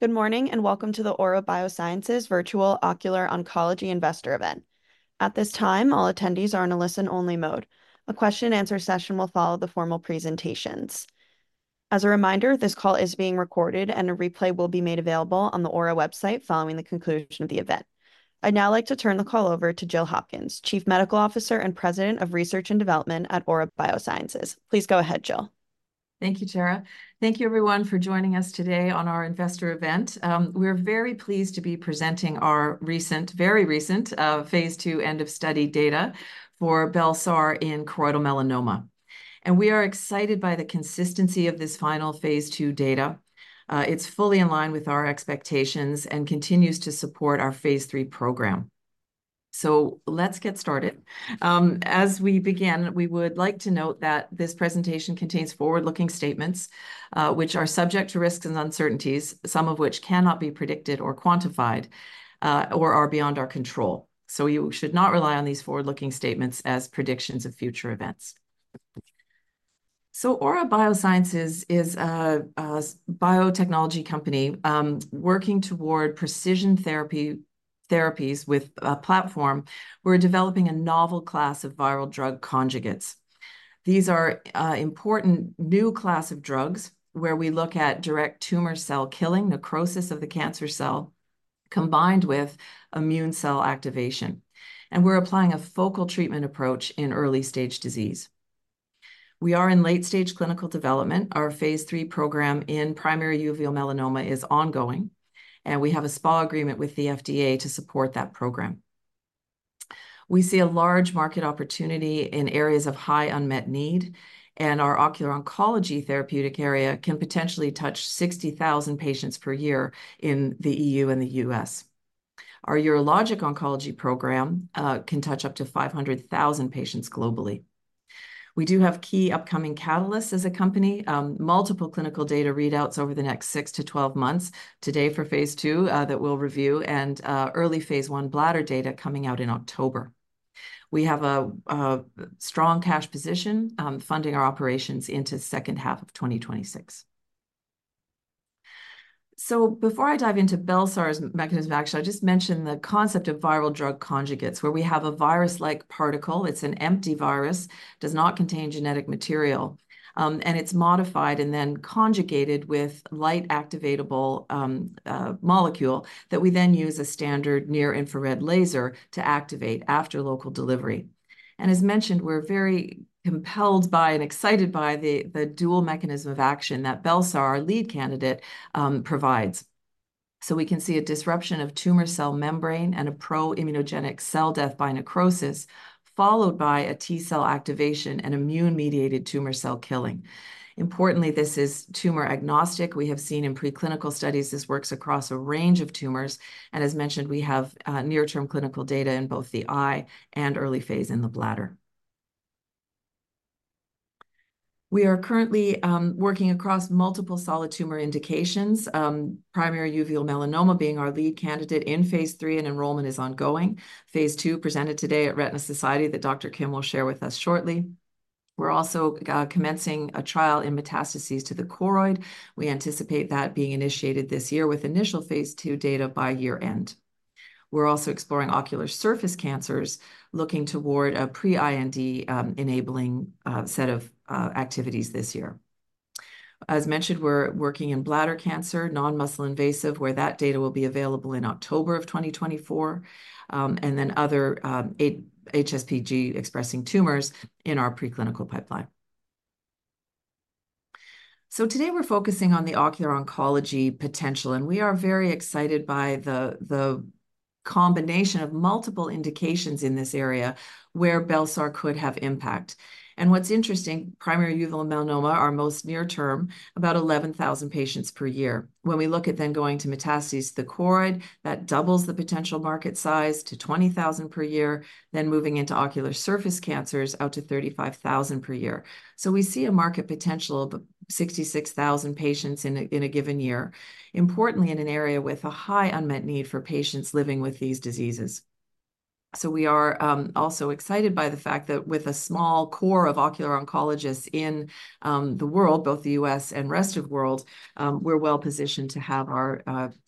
Good morning, and welcome to the Aura Biosciences Virtual Ocular Oncology Investor event. At this time, all attendees are in a listen-only mode. A question and answer session will follow the formal presentations. As a reminder, this call is being recorded, and a replay will be made available on the Aura website following the conclusion of the event. I'd now like to turn the call over to Jill Hopkins, Chief Medical Officer and President of Research and Development at Aura Biosciences. Please go ahead, Jill. Thank you, Tara. Thank you, everyone, for joining us today on our investor event. We're very pleased to be presenting our recent, very recent, phase II end of study data for bel-sar in choroidal melanoma, and we are excited by the consistency of this final phase II data. It's fully in line with our expectations and continues to support our phase III program, so let's get started. As we begin, we would like to note that this presentation contains forward-looking statements, which are subject to risks and uncertainties, some of which cannot be predicted or quantified, or are beyond our control. So you should not rely on these forward-looking statements as predictions of future events, so Aura Biosciences is a biotechnology company, working toward precision therapies with a platform. We're developing a novel class of viral drug conjugates. These are important new class of drugs, where we look at direct tumor cell killing, necrosis of the cancer cell, combined with immune cell activation, and we're applying a focal treatment approach in early stage disease. We are in late stage clinical development. Our phase III program in primary uveal melanoma is ongoing, and we have a SPA agreement with the FDA to support that program. We see a large market opportunity in areas of high unmet need, and our ocular oncology therapeutic area can potentially touch 60,000 patients per year in the EU and the U.S. Our urologic oncology program can touch up to 500,000 patients globally. We do have key upcoming catalysts as a company, multiple clinical data readouts over the next six to 12 months, today for phase II, that we'll review, and early phase I bladder data coming out in October. We have a strong cash position, funding our operations into second half of 2026. Before I dive into bel-sar's mechanism of action, I just mention the concept of viral drug conjugates, where we have a virus-like particle, it's an empty virus, does not contain genetic material. And it's modified and then conjugated with light activatable molecule, that we then use a standard near-infrared laser to activate after local delivery. And as mentioned, we're very compelled by and excited by the dual mechanism of action that bel-sar, our lead candidate, provides. So we can see a disruption of tumor cell membrane and a pro-immunogenic cell death by necrosis, followed by a T cell activation and immune-mediated tumor cell killing. Importantly, this is tumor agnostic. We have seen in preclinical studies, this works across a range of tumors, and as mentioned, we have near-term clinical data in both the eye and early phase in the bladder. We are currently working across multiple solid tumor indications, primary uveal melanoma being our lead candidate in phase III, and enrollment is ongoing. phase II presented today at Retina Society, that Dr. Kim will share with us shortly. We're also commencing a trial in metastases to the choroid. We anticipate that being initiated this year, with initial phase II data by year end. We're also exploring ocular surface cancers, looking toward a pre-IND enabling set of activities this year. As mentioned, we're working in bladder cancer, non-muscle invasive, where that data will be available in October 2024, and then other HSPG-expressing tumors in our preclinical pipeline. Today we're focusing on the ocular oncology potential, and we are very excited by the combination of multiple indications in this area where bel-sar could have impact. What's interesting, primary uveal melanoma, our most near-term, about 11,000 patients per year. When we look at then going to metastases, the choroid, that doubles the potential market size to 20,000 per year, then moving into ocular surface cancers, out to 35,000 per year. We see a market potential of 66,000 patients in a given year, importantly, in an area with a high unmet need for patients living with these diseases. So we are also excited by the fact that with a small core of ocular oncologists in the world, both the U.S. and rest of world, we're well-positioned to have our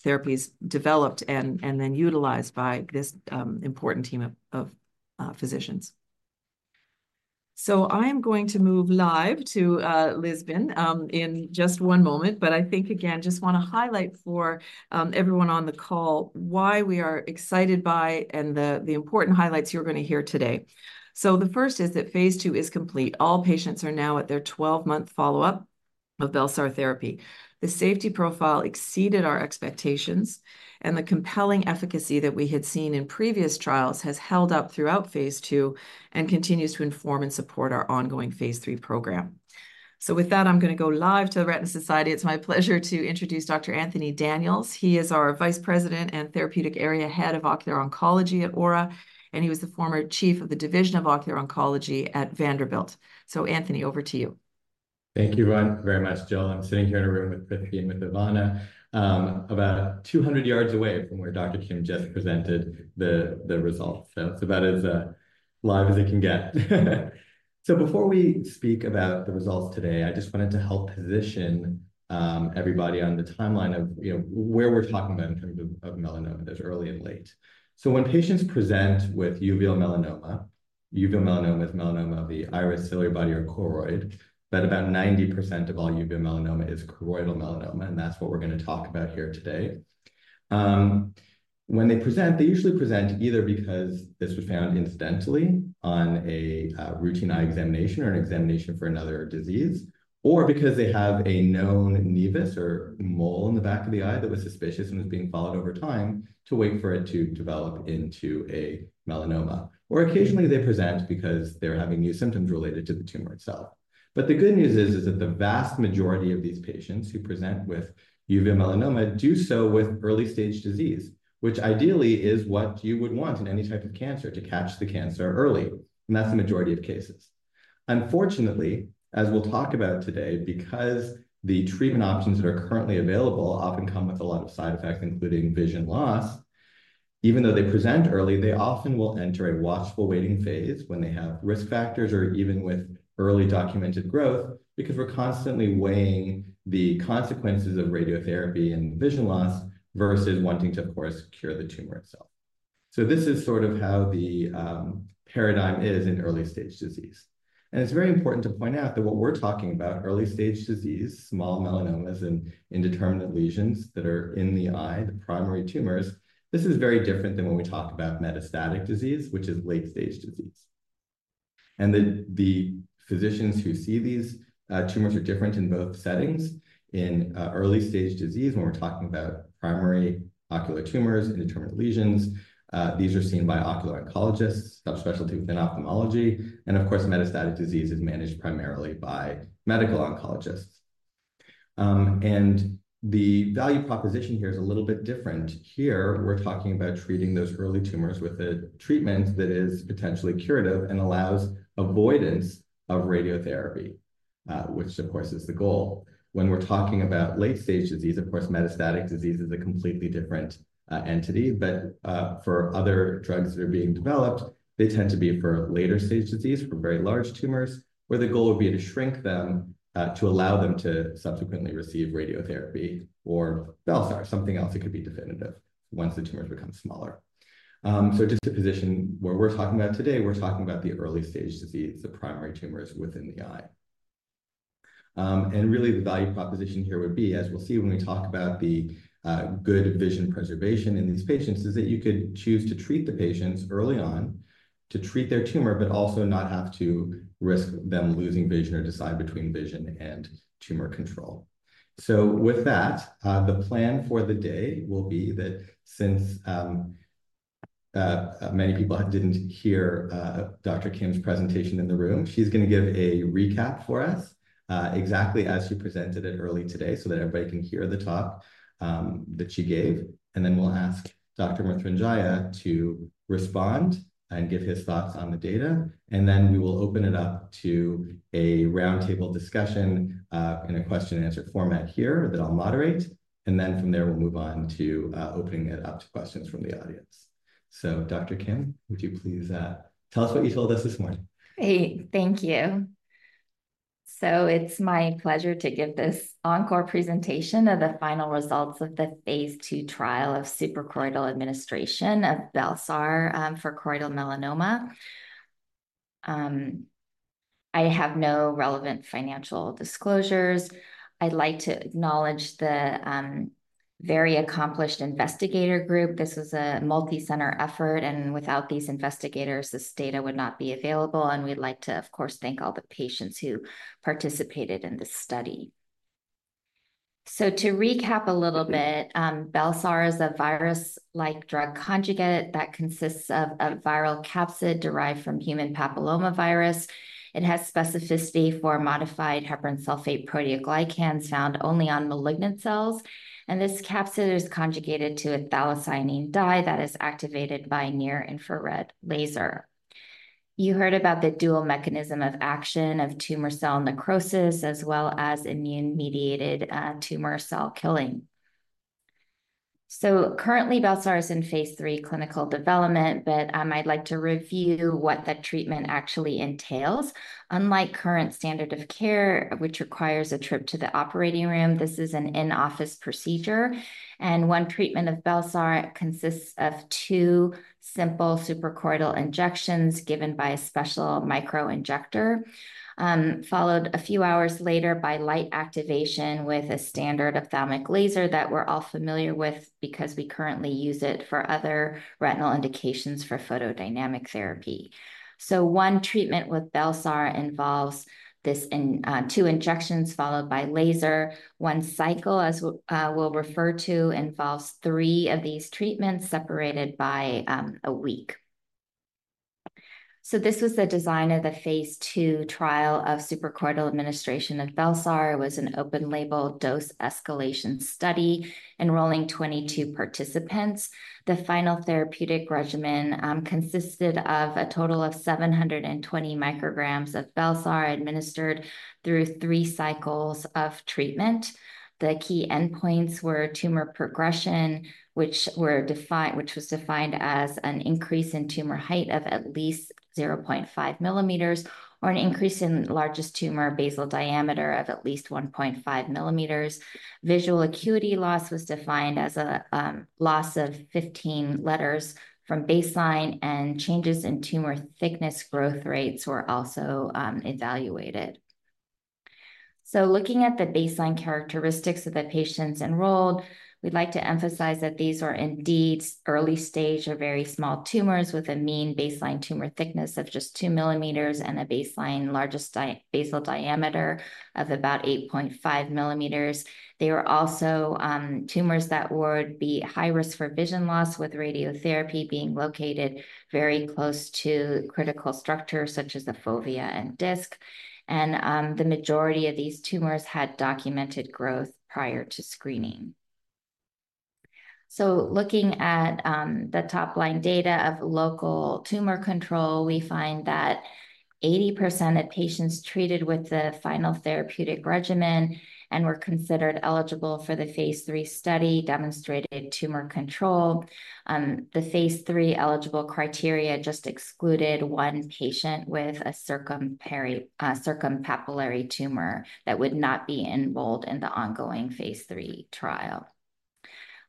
therapies developed and then utilized by this important team of physicians. So I am going to move live to Lisbon in just one moment, but I think, again, just wanna highlight for everyone on the call, why we are excited by and the important highlights you're gonna hear today. So the first is that phase II is complete. All patients are now at their twelve-month follow-up of bel-sar therapy. The safety profile exceeded our expectations, and the compelling efficacy that we had seen in previous trials has held up throughout phase II, and continues to inform and support our ongoing phase III program. So with that, I'm gonna go live to the Retina Society. It's my pleasure to introduce Dr. Anthony Daniels. He is our Vice President and Therapeutic Area Head of Ocular Oncology at Aura, and he was the former Chief of the Division of Ocular Oncology at Vanderbilt. So, Anthony, over to you. Thank you very much, Jill. I'm sitting here in a room with Prithvi and with Ivana about 200 yards away from where Dr. Kim just presented the results. So it's about as live as it can get. So before we speak about the results today, I just wanted to help position everybody on the timeline of, you know, where we're talking about in terms of of melanoma. There's early and late. So when patients present with uveal melanoma, uveal melanoma is melanoma of the iris, ciliary body, or choroid, but about 90% of all uveal melanoma is choroidal melanoma, and that's what we're going to talk about here today. When they present, they usually present either because this was found incidentally on a routine eye examination or an examination for another disease, or because they have a known nevus or mole in the back of the eye that was suspicious and was being followed over time to wait for it to develop into a melanoma, or occasionally they present because they're having new symptoms related to the tumor itself. But the good news is that the vast majority of these patients who present with uveal melanoma do so with early-stage disease, which ideally is what you would want in any type of cancer, to catch the cancer early, and that's the majority of cases. Unfortunately, as we'll talk about today, because the treatment options that are currently available often come with a lot of side effects, including vision loss, even though they present early, they often will enter a watchful waiting phase when they have risk factors or even with early documented growth, because we're constantly weighing the consequences of radiotherapy and vision loss versus wanting to, of course, cure the tumor itself. So this is sort of how the paradigm is in early-stage disease, and it's very important to point out that what we're talking about, early-stage disease, small melanomas, and indeterminate lesions that are in the eye, the primary tumors, this is very different than when we talk about metastatic disease, which is late-stage disease. And the physicians who see these tumors are different in both settings. In early-stage disease, when we're talking about primary ocular tumors, indeterminate lesions, these are seen by ocular oncologists, a subspecialty within ophthalmology, and of course, metastatic disease is managed primarily by medical oncologists, and the value proposition here is a little bit different. Here, we're talking about treating those early tumors with a treatment that is potentially curative and allows avoidance of radiotherapy, which of course, is the goal. When we're talking about late-stage disease, of course, metastatic disease is a completely different entity, but for other drugs that are being developed, they tend to be for later-stage disease, for very large tumors, where the goal would be to shrink them to allow them to subsequently receive radiotherapy or bel-sar, something else that could be definitive once the tumors become smaller. So just to position what we're talking about today, we're talking about the early-stage disease, the primary tumors within the eye. And really, the value proposition here would be, as we'll see when we talk about the good vision preservation in these patients, is that you could choose to treat the patients early on to treat their tumor, but also not have to risk them losing vision or decide between vision and tumor control. So with that, the plan for the day will be that since many people didn't hear Dr. Kim's presentation in the room, she's going to give a recap for us exactly as she presented it early today, so that everybody can hear the talk that she gave. And then we'll ask Dr. Mruthyunjaya to respond and give his thoughts on the data, and then we will open it up to a roundtable discussion, in a question-and-answer format here that I'll moderate. And then from there, we'll move on to, opening it up to questions from the audience. So, Dr. Kim, would you please, tell us what you told us this morning? Hey, thank you. So it's my pleasure to give this onco presentation of the final results of the phase II trial of suprachoroidal administration of bel-sar, for choroidal melanoma. I have no relevant financial disclosures. I'd like to acknowledge the very accomplished investigator group. This was a multicenter effort, and without these investigators, this data would not be available, and we'd like to, of course, thank all the patients who participated in this study. So to recap a little bit, bel-sar is a virus-like drug conjugate that consists of a viral capsid derived from human papillomavirus. It has specificity for modified heparan sulfate proteoglycans found only on malignant cells, and this capsid is conjugated to a phthalocyanine dye that is activated by near-infrared laser. You heard about the dual mechanism of action of tumor cell necrosis, as well as immune-mediated tumor cell killing. So currently, bel sar is in phase III clinical development, but I'd like to review what that treatment actually entails. Unlike current standard of care, which requires a trip to the operating room, this is an in-office procedure, and one treatment of bel-sar consists of two simple suprachoroidal injections given by a special microinjector, followed a few hours later by light activation with a standard ophthalmic laser that we're all familiar with because we currently use it for other retinal indications for photodynamic therapy. So one treatment with bel-sar involves two injections, followed by laser. One cycle, as we will refer to, involves three of these treatments, separated by a week. So this was the design of the phase II trial of suprachoroidal administration of bel-sar. It was an open-label dose escalation study enrolling 22 participants. The final therapeutic regimen consisted of a total of 720 mcg of bel-sar, administered through three cycles of treatment. The key endpoints were tumor progression, which were defined, which was defined as an increase in tumor height of at least 0.5 mm, or an increase in largest tumor basal diameter of at least 1.5 mm. Visual acuity loss was defined as a loss of 15 letters from baseline, and changes in tumor thickness growth rates were also evaluated. Looking at the baseline characteristics of the patients enrolled, we'd like to emphasize that these are indeed early stage or very small tumors, with a mean baseline tumor thickness of just two mm and a baseline largest basal diameter of about 8.5 mm. They were also tumors that would be high risk for vision loss, with radiotherapy being located very close to critical structures such as the fovea and disc. And the majority of these tumors had documented growth prior to screening. So looking at the top-line data of local tumor control, we find that 80% of patients treated with the final therapeutic regimen, and were considered eligible for the phase III study, demonstrated tumor control. The phase III eligible criteria just excluded one patient with a circumpapillary tumor that would not be enrolled in the ongoing phase III trial.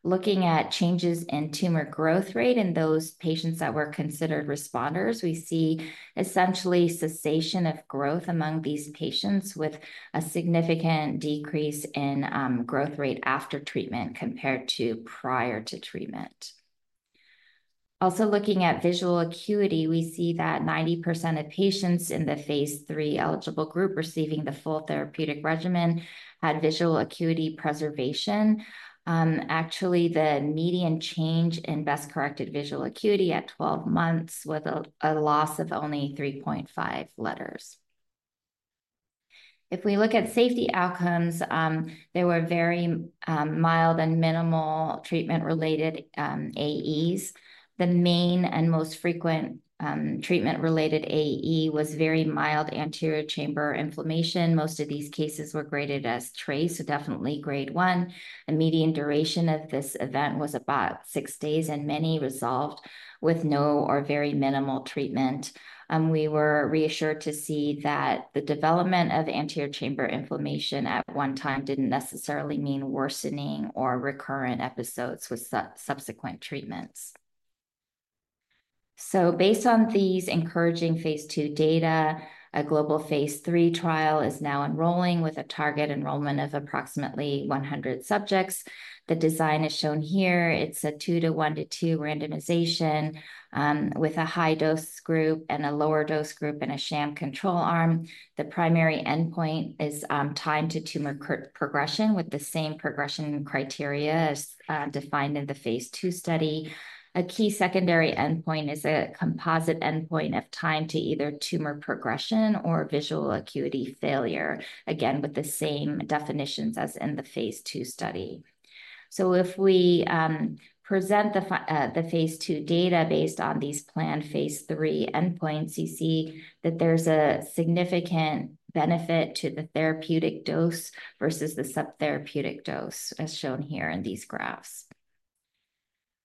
Looking at changes in tumor growth rate in those patients that were considered responders, we see essentially cessation of growth among these patients, with a significant decrease in growth rate after treatment compared to prior to treatment. Also, looking at visual acuity, we see that 90% of patients in the phase III eligible group receiving the full therapeutic regimen had visual acuity preservation. Actually, the median change in best-corrected visual acuity at 12 months was a loss of only 3.5 letters. If we look at safety outcomes, they were very mild and minimal treatment-related AEs. The main and most frequent treatment-related AE was very mild anterior chamber inflammation. Most of these cases were graded as trace, so definitely grade one. The median duration of this event was about 6 days, and many resolved with no or very minimal treatment. We were reassured to see that the development of anterior chamber inflammation at one time didn't necessarily mean worsening or recurrent episodes with subsequent treatments. So based on these encouraging phase II data, a global phase III trial is now enrolling, with a target enrollment of approximately one hundred subjects. The design is shown here. It's a two to one to two randomization, with a high-dose group and a lower-dose group, and a sham control arm. The primary endpoint is time to tumor progression, with the same progression criteria as defined in the phase II study. A key secondary endpoint is a composite endpoint of time to either tumor progression or visual acuity failure, again, with the same definitions as in the phase II study. So if we present the phase II data based on these planned phase III endpoints, you see that there's a significant benefit to the therapeutic dose versus the subtherapeutic dose, as shown here in these graphs.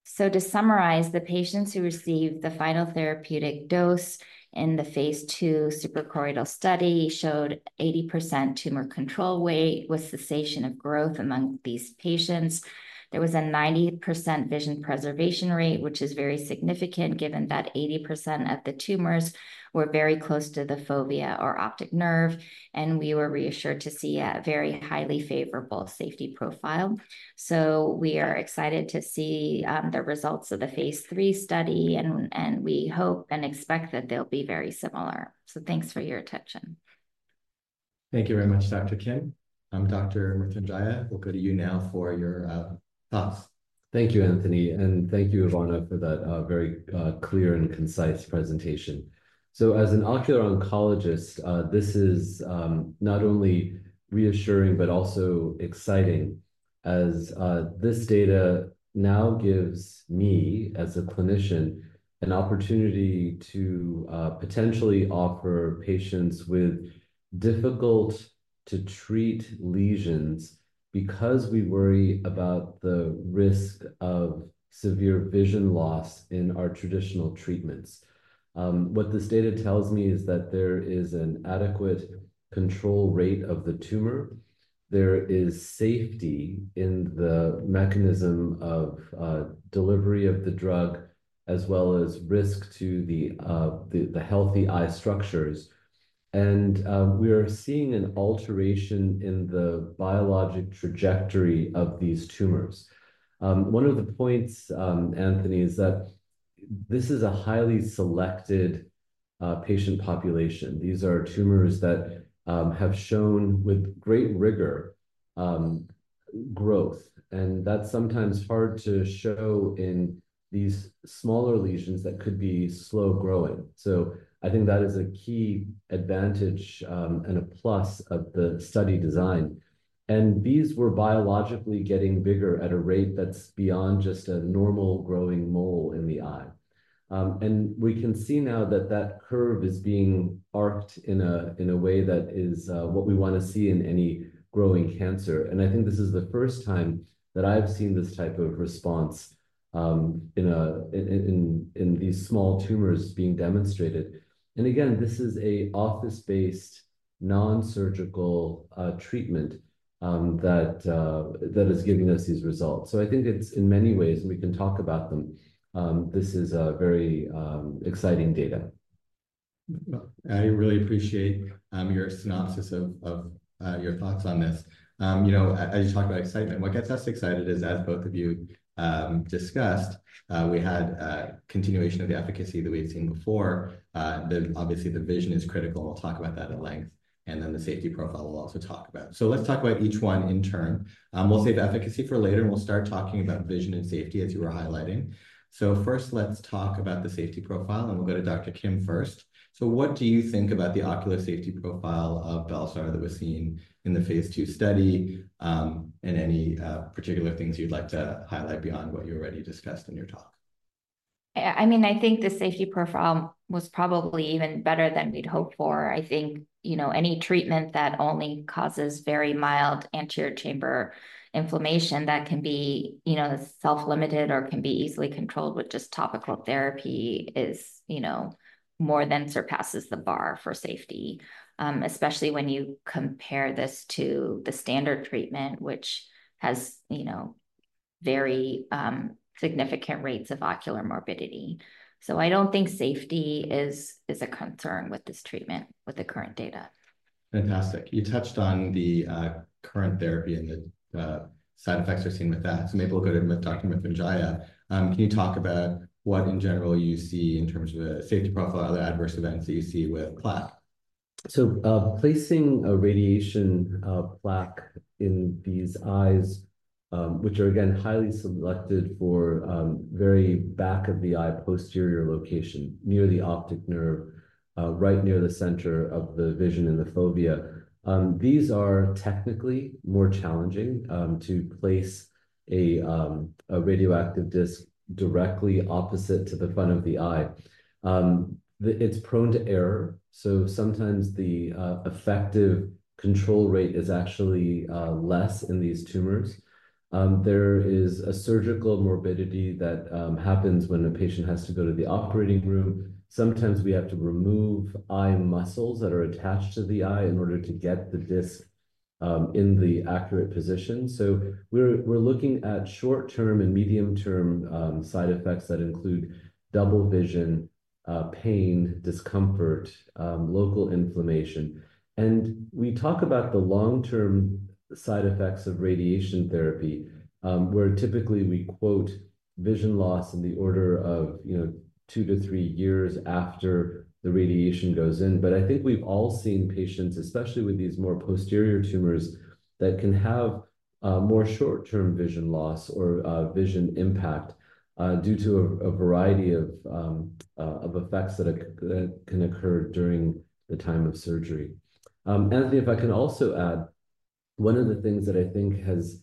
So to summarize, the patients who received the final therapeutic dose in the phase II suprachoroidal study showed 80% tumor control rate, with cessation of growth among these patients. There was a 90% vision preservation rate, which is very significant given that 80% of the tumors were very close to the fovea or optic nerve, and we were reassured to see a very highly favorable safety profile. So we are excited to see the results of the phase III study, and we hope and expect that they'll be very similar. So thanks for your attention. Thank you very much, Dr. Kim. Dr. Mruthyunjaya, we'll go to you now for your thoughts. Thank you, Anthony, and thank you, Ivana, for that, very, clear and concise presentation. So as an ocular oncologist, this is, not only reassuring but also exciting, as, this data now gives me, as a clinician, an opportunity to, potentially offer patients with difficult-to-treat lesions, because we worry about the risk of severe vision loss in our traditional treatments. What this data tells me is that there is an adequate control rate of the tumor, there is safety in the mechanism of, delivery of the drug, as well as risk to the, the healthy eye structures, and, we are seeing an alteration in the biologic trajectory of these tumors. One of the points, Anthony, is that this is a highly selected, patient population. These are tumors that, have shown, with great rigor, growth, and that's sometimes hard to show in these smaller lesions that could be slow growing. So I think that is a key advantage, and a plus of the study design. And these were biologically getting bigger at a rate that's beyond just a normal growing mole in the eye. And we can see now that that curve is being arced in a way that is what we wanna see in any growing cancer, and I think this is the first time that I've seen this type of response in these small tumors being demonstrated. And again, this is an office-based, non-surgical treatment that is giving us these results. So I think it's in many ways, and we can talk about them, this is a very exciting data. I really appreciate your synopsis of your thoughts on this. You know, as you talk about excitement, what gets us excited is, as both of you discussed, we had a continuation of the efficacy that we had seen before. Obviously, the vision is critical, and we'll talk about that at length, and then the safety profile we'll also talk about. Let's talk about each one in turn. We'll save efficacy for later, and we'll start talking about vision and safety, as you were highlighting. First, let's talk about the safety profile, and we'll go to Dr. Kim first. What do you think about the ocular safety profile of bel-sar that was seen in the phase II study, and any particular things you'd like to highlight beyond what you already discussed in your talk? I mean, I think the safety profile was probably even better than we'd hoped for. I think, you know, any treatment that only causes very mild anterior chamber inflammation, that can be, you know, self-limited or can be easily controlled with just topical therapy is, you know, more than surpasses the bar for safety, especially when you compare this to the standard treatment, which has, you know, very significant rates of ocular morbidity. So I don't think safety is a concern with this treatment, with the current data. Fantastic. You touched on the current therapy and the side effects we're seeing with that. So maybe we'll go to Dr. Mruthyunjaya. Can you talk about what, in general, you see in terms of a safety profile or other adverse events that you see with plaque? So, placing a radiation plaque in these eyes, which are, again, highly selected for, very back of the eye, posterior location, near the optic nerve, right near the center of the vision in the fovea, these are technically more challenging to place a radioactive disc directly opposite to the front of the eye. It's prone to error, so sometimes the effective control rate is actually less in these tumors. There is a surgical morbidity that happens when a patient has to go to the operating room. Sometimes we have to remove eye muscles that are attached to the eye in order to get the disc in the accurate position. So we're looking at short-term and medium-term side effects that include double vision, pain, discomfort, local inflammation. And we talk about the long-term side effects of radiation therapy, where typically we quote vision loss in the order of, you know, two to three years after the radiation goes in. But I think we've all seen patients, especially with these more posterior tumors, that can have more short-term vision loss or vision impact due to a variety of effects that can occur during the time of surgery. Anthony, if I can also add, one of the things that I think has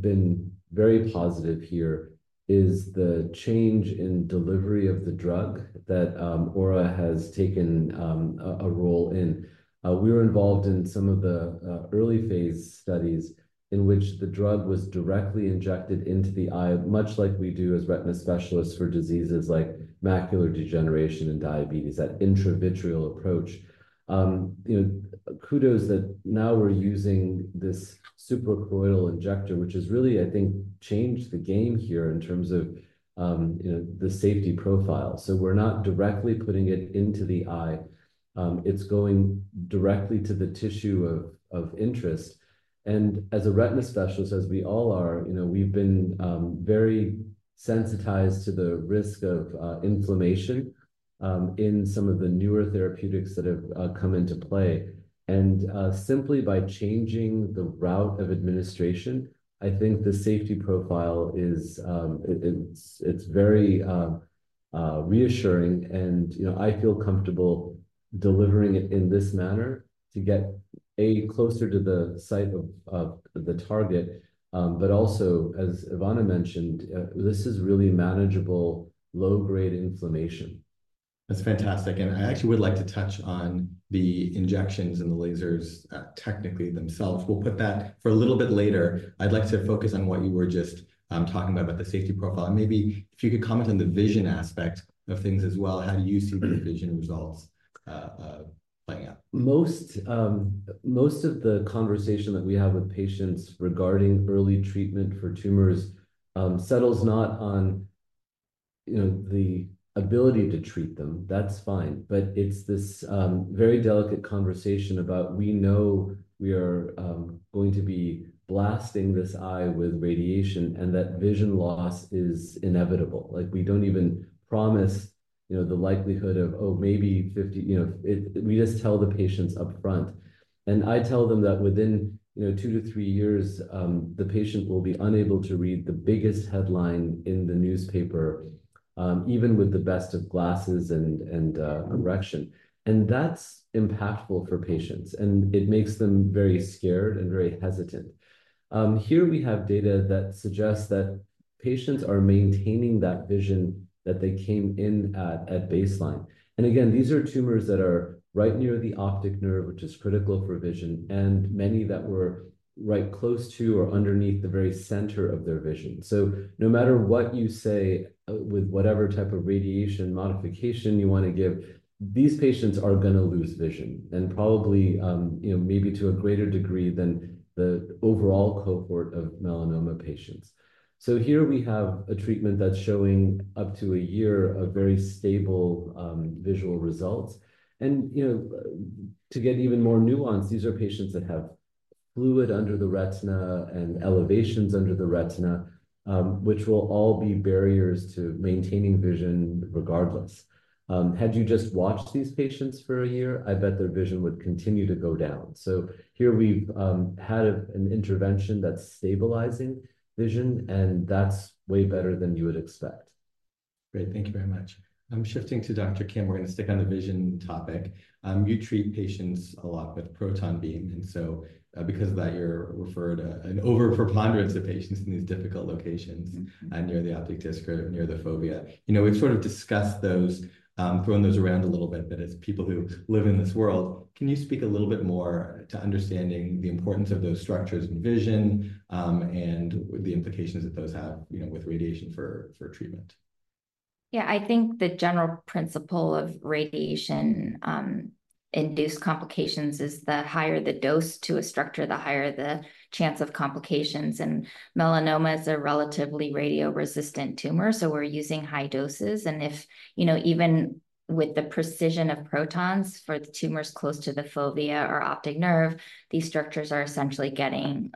been very positive here is the change in delivery of the drug that Aura has taken a role in. We were involved in some of the early phase studies in which the drug was directly injected into the eye, much like we do as retina specialists for diseases like macular degeneration and diabetes, that intravitreal approach. You know, kudos that now we're using this suprachoroidal injector, which has really, I think, changed the game here in terms of the safety profile. So we're not directly putting it into the eye. It's going directly to the tissue of interest. And as a retina specialist, as we all are, you know, we've been very sensitized to the risk of inflammation in some of the newer therapeutics that have come into play. And simply by changing the route of administration, I think the safety profile is... It's very reassuring, and you know, I feel comfortable delivering it in this manner to get closer to the site of the target, but also, as Ivana mentioned, this is really manageable, low-grade inflammation. That's fantastic, and I actually would like to touch on the injections and the lasers technically themselves. We'll put that for a little bit later. I'd like to focus on what you were just talking about, about the safety profile, and maybe if you could comment on the vision aspect of things as well. How do you see the vision results playing out? Most of the conversation that we have with patients regarding early treatment for tumors settles not on, you know, the ability to treat them, that's fine, but it's this very delicate conversation about we know we are going to be blasting this eye with radiation, and that vision loss is inevitable. Like, we don't even promise, you know, the likelihood of, maybe 50, you know. We just tell the patients upfront, and I tell them that within, you know, two to three years, the patient will be unable to read the biggest headline in the newspaper, even with the best of glasses and correction. And that's impactful for patients, and it makes them very scared and very hesitant. Here we have data that suggests that patients are maintaining that vision that they came in at baseline. And again, these are tumors that are right near the optic nerve, which is critical for vision, and many that were right close to or underneath the very center of their vision. So no matter what you say, with whatever type of radiation modification you wanna give, these patients are gonna lose vision, and probably, you know, maybe to a greater degree than the overall cohort of melanoma patients. So here we have a treatment that's showing up to a year of very stable, visual results. And, you know, to get even more nuanced, these are patients that have fluid under the retina and elevations under the retina, which will all be barriers to maintaining vision regardless. Had you just watched these patients for a year, I bet their vision would continue to go down. So here we've had an intervention that's stabilizing vision, and that's way better than you would expect. Great. Thank you very much. I'm shifting to Dr. Kim. We're gonna stick on the vision topic. You treat patients a lot with proton beam, and so, because of that, you're referred an overrepresentation of patients in these difficult locations and near the optic disc or near the fovea. You know, we've sort of discussed those, thrown those around a little bit, but as people who live in this world, can you speak a little bit more to understanding the importance of those structures and vision, and the implications that those have, you know, with radiation for treatment? Yeah, I think the general principle of radiation induced complications is the higher the dose to a structure, the higher the chance of complications. And melanoma is a relatively radio-resistant tumor, so we're using high doses. And if, you know, even with the precision of protons for the tumors close to the fovea or optic nerve, these structures are essentially getting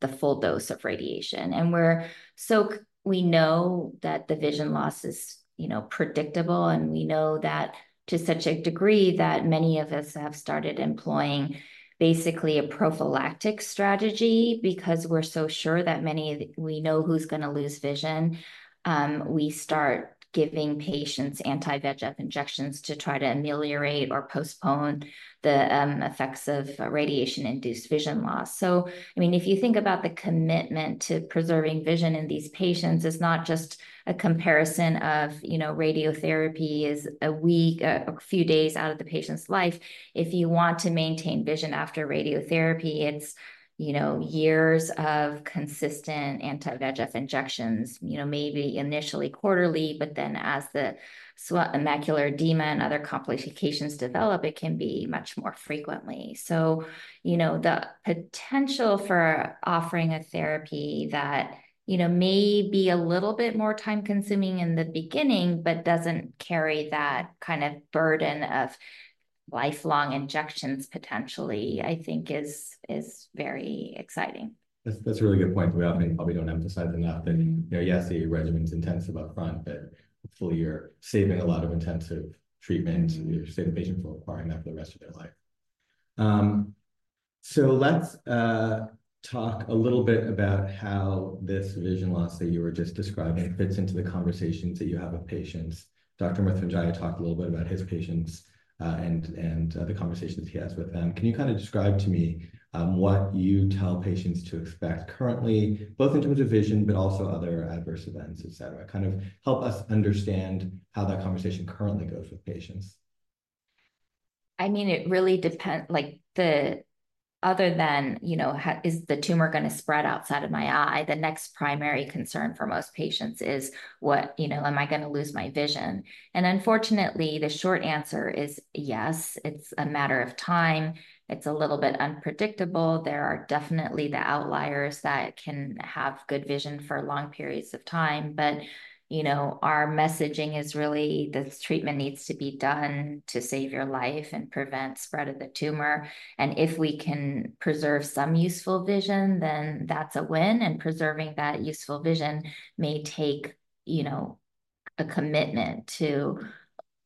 the full dose of radiation. And we know that the vision loss is, you know, predictable, and we know that to such a degree that many of us have started employing basically a prophylactic strategy. Because we're so sure that many we know who's gonna lose vision, we start giving patients anti-VEGF injections to try to ameliorate or postpone the effects of radiation-induced vision loss. So, I mean, if you think about the commitment to preserving vision in these patients, it's not just a comparison of, you know, radiotherapy is a week, a few days out of the patient's life. If you want to maintain vision after radiotherapy, it's, you know, years of consistent anti-VEGF injections, you know, maybe initially quarterly, but then as the macular edema and other complications develop, it can be much more frequently. So, you know, the potential for offering a therapy that, you know, may be a little bit more time-consuming in the beginning, but doesn't carry that kind of burden of lifelong injections, potentially, I think is very exciting. That's a really good point that we often probably don't emphasize enough, you know, yes, the regimen's intensive upfront, but hopefully, you're saving a lot of intensive treatment-you save the patient from requiring that for the rest of their life. So let's talk a little bit about how this vision loss that you were just describing fits into the conversations that you have with patients. Dr. Mruthyunjaya talked a little bit about his patients, and the conversations he has with them. Can you kinda describe to me what you tell patients to expect currently, both in terms of vision, but also other adverse events, et cetera? Kind of help us understand how that conversation currently goes with patients. I mean, it really depends—like, other than, you know, "Is the tumor gonna spread outside of my eye?" The next primary concern for most patients is: you know, "Am I gonna lose my vision?" And unfortunately, the short answer is yes, it's a matter of time. It's a little bit unpredictable. There are definitely the outliers that can have good vision for long periods of time, but, you know, our messaging is really, "This treatment needs to be done to save your life and prevent spread of the tumor." And if we can preserve some useful vision, then that's a win, and preserving that useful vision may take, you know, a commitment to,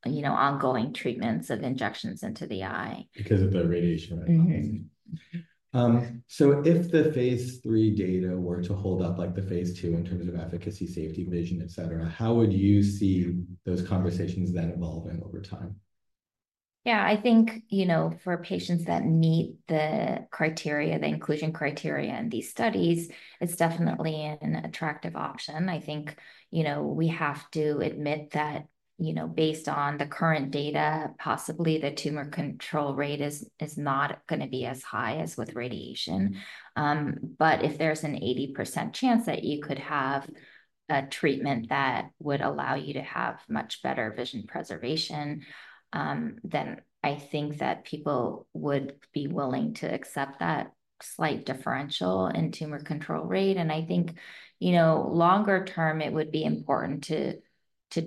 you know, ongoing treatments of injections into the eye. Because of the radiation, right? Mm-hmm. So, if the phase III data were to hold up like the phase II in terms of efficacy, safety, vision, et cetera, how would you see those conversations then evolving over time? Yeah, I think, you know, for patients that meet the criteria, the inclusion criteria in these studies, it's definitely an attractive option. I think, you know, we have to admit that, you know, based on the current data, possibly the tumor control rate is not gonna be as high as with radiation. But if there's an 80% chance that you could have a treatment that would allow you to have much better vision preservation, then I think that people would be willing to accept that slight differential in tumor control rate. And I think, you know, longer term, it would be important to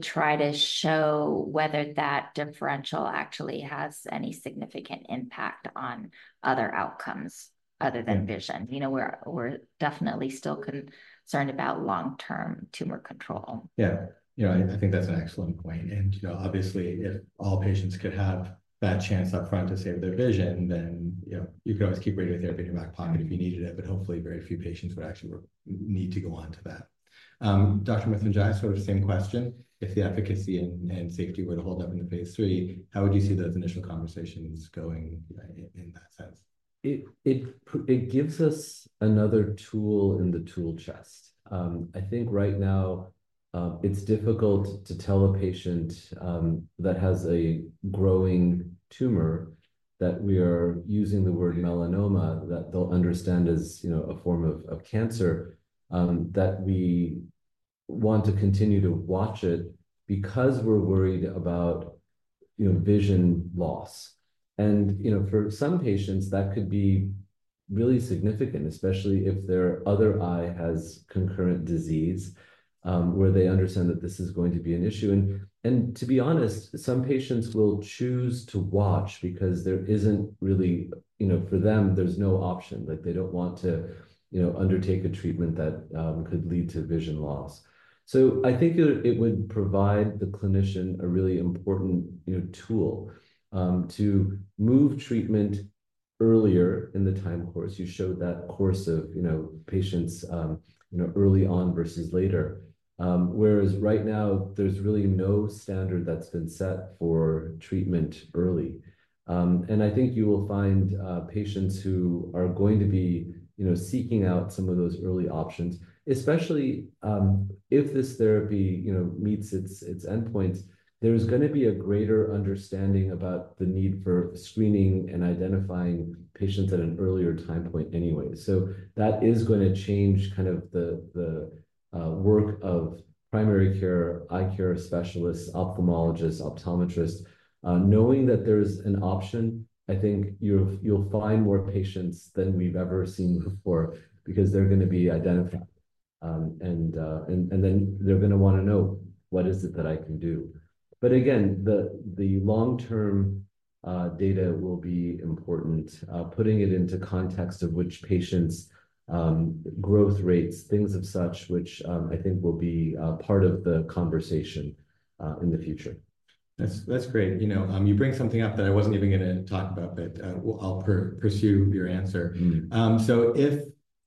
try to show whether that differential actually has any significant impact on other outcomes other than-vision. You know, we're definitely still concerned about long-term tumor control. Yeah. You know, I think that's an excellent point, and, you know, obviously, if all patients could have that chance up front to save their vision, then, you know, you can always keep radiotherapy in your back pocket if you needed it, but hopefully, very few patients would actually need to go on to that. Dr. Mruthyunjaya, sort of the same question: If the efficacy and safety were to hold up in the phase III, how would you see those initial conversations going in that sense? It gives us another tool in the tool chest. I think right now it's difficult to tell a patient that has a growing tumor that we are using the word melanoma that they'll understand as, you know, a form of cancer that we want to continue to watch it because we're worried about, you know, vision loss, and you know, for some patients, that could be really significant, especially if their other eye has concurrent disease where they understand that this is going to be an issue, and to be honest, some patients will choose to watch because there isn't really... You know, for them, there's no option. Like, they don't want to, you know, undertake a treatment that could lead to vision loss. So I think it would provide the clinician a really important, you know, tool to move treatment earlier in the time course. You showed that course of, you know, patients, you know, early on versus later. Whereas right now, there's really no standard that's been set for treatment early. And I think you will find patients who are going to be, you know, seeking out some of those early options, especially if this therapy, you know, meets its endpoints, there's gonna be a greater understanding about the need for screening and identifying patients at an earlier time point anyway. That is gonna change kind of the work of primary care, eye care specialists, ophthalmologists, optometrists. Knowing that there's an option, I think you'll find more patients than we've ever seen before because they're gonna be identified. And then they're gonna wanna know, what is it that I can do? But again, the long-term data will be important, putting it into context of which patients' growth rates, things of such, which I think will be part of the conversation in the future. That's, that's great. You know, you bring something up that I wasn't even gonna talk about, but, I'll pursue your answer.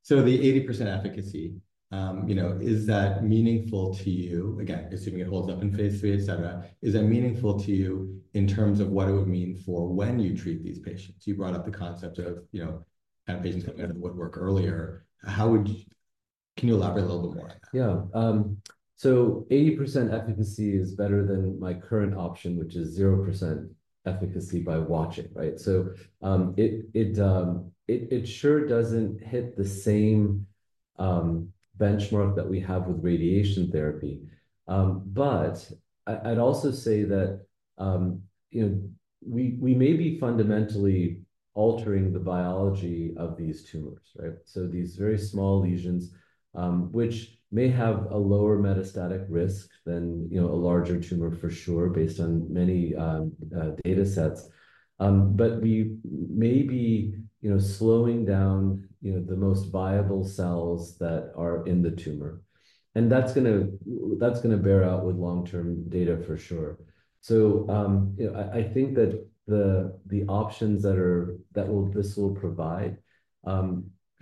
So the 80% efficacy, you know, is that meaningful to you? Again, assuming it holds up in phase III, et cetera, is that meaningful to you in terms of what it would mean for when you treat these patients? You brought up the concept of, you know, have patients coming out of the woodwork earlier. How would you... Can you elaborate a little bit more on that? Yeah, so 80% efficacy is better than my current option, which is 0% efficacy by watching, right? So, it sure doesn't hit the same benchmark that we have with radiation therapy. But I'd also say that, you know, we may be fundamentally altering the biology of these tumors, right? These very small lesions, which may have a lower metastatic risk than, you know, a larger tumor, for sure, based on many data sets. But we may be, you know, slowing down, you know, the most viable cells that are in the tumor, and that's gonna bear out with long-term data for sure. You know, I think that the options that this will provide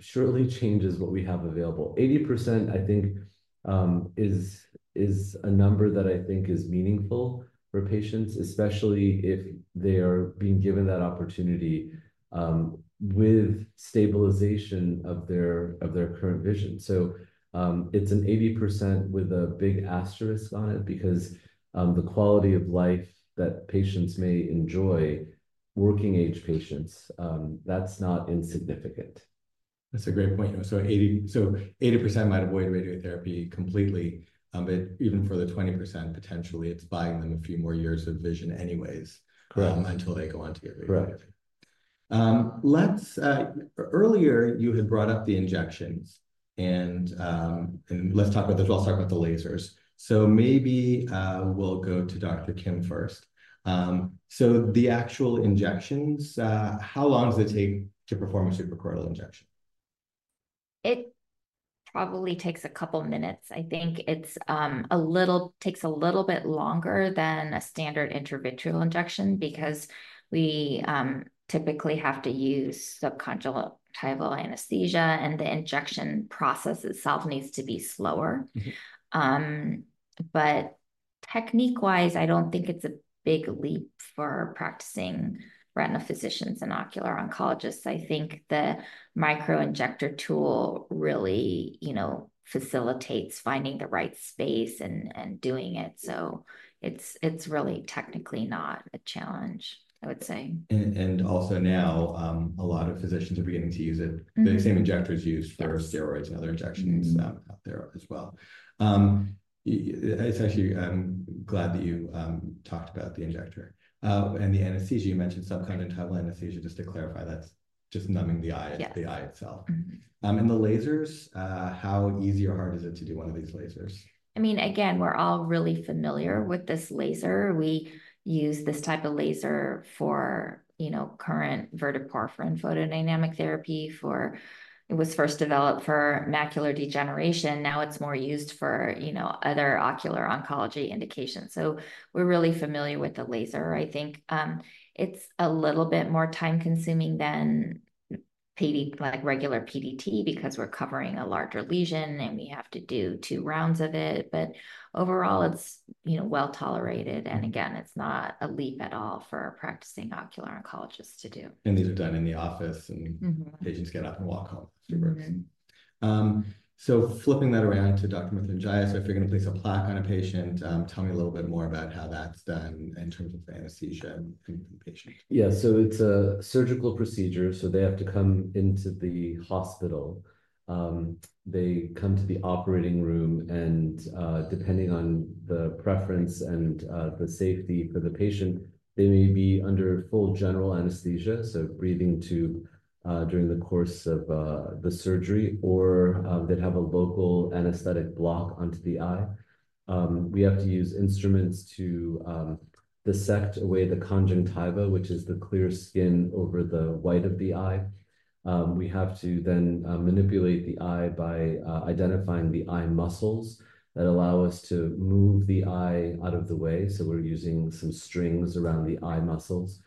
surely changes what we have available. 80%, I think, is a number that I think is meaningful for patients, especially if they are being given that opportunity, with stabilization of their current vision. So, it's a 80% with a big asterisk on it because, the quality of life that patients may enjoy, working age patients, that's not insignificant. That's a great point. So 80% might avoid radiotherapy completely, but even for the 20%, potentially, it's buying them a few more years of vision anyways until they go on to get radiotherapy. Correct. Earlier, you had brought up the injections, and well, let's talk about the lasers, so maybe we'll go to Dr. Kim first, so the actual injections, how long does it take to perform a suprachoroidal injection? It probably takes a couple minutes. I think it's a little, takes a little bit longer than a standard intravitreal injection because we typically have to use subconjunctival anesthesia, and the injection process itself needs to be slower. But technique-wise, I don't think it's a big leap for practicing retina physicians and ocular oncologists. I think the microinjector tool really, you know, facilitates finding the right space and doing it. So it's really technically not a challenge, I would say. And also now, a lot of physicians are beginning to use it. The same injector is used-for steroids and other injections out there as well. It's actually, I'm glad that you talked about the injector. And the anesthesia, you mentioned subconjunctival anesthesia, just to clarify, that's just numbing the eye, the eye itself. And the lasers, how easy or hard is it to do one of these lasers? I mean, again, we're all really familiar with this laser. We use this type of laser for, you know, current verteporfin photodynamic therapy for it was first developed for macular degeneration, now it's more used for, you know, other ocular oncology indications. So we're really familiar with the laser. I think, it's a little bit more time-consuming than PD like regular PDT, because we're covering a larger lesion, and we have to do two rounds of it. But overall, it's, you know, well-tolerated, and again, it's not a leap at all for a practicing ocular oncologist to do. And these are done in the office, and patients get up and walk home afterwards. Mm-hmm. So flipping that around to Dr. Mruthyunjaya, so if you're gonna place a plaque on a patient, tell me a little bit more about how that's done in terms of the anesthesia and the patient. Yeah. So it's a surgical procedure, so they have to come into the hospital. They come to the operating room, and depending on the preference and the safety for the patient, they may be under full general anesthesia, so breathing tube during the course of the surgery, or they'd have a local anesthetic block onto the eye. We have to use instruments to dissect away the conjunctiva, which is the clear skin over the white of the eye. We have to then manipulate the eye by identifying the eye muscles that allow us to move the eye out of the way, so we're using some strings around the eye muscles.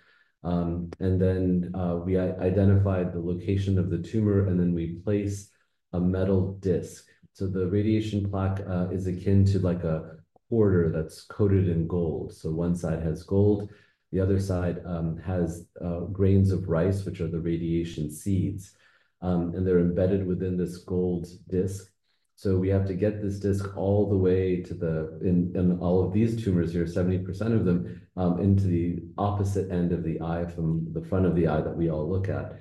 And then we identify the location of the tumor, and then we place a metal disc. So the radiation plaque is akin to, like, a quarter that's coated in gold. So one side has gold, the other side has grains of rice, which are the radiation seeds. And they're embedded within this gold disc. So we have to get this disc all the way to the in all of these tumors here, 70% of them, into the opposite end of the eye from the front of the eye that we all look at.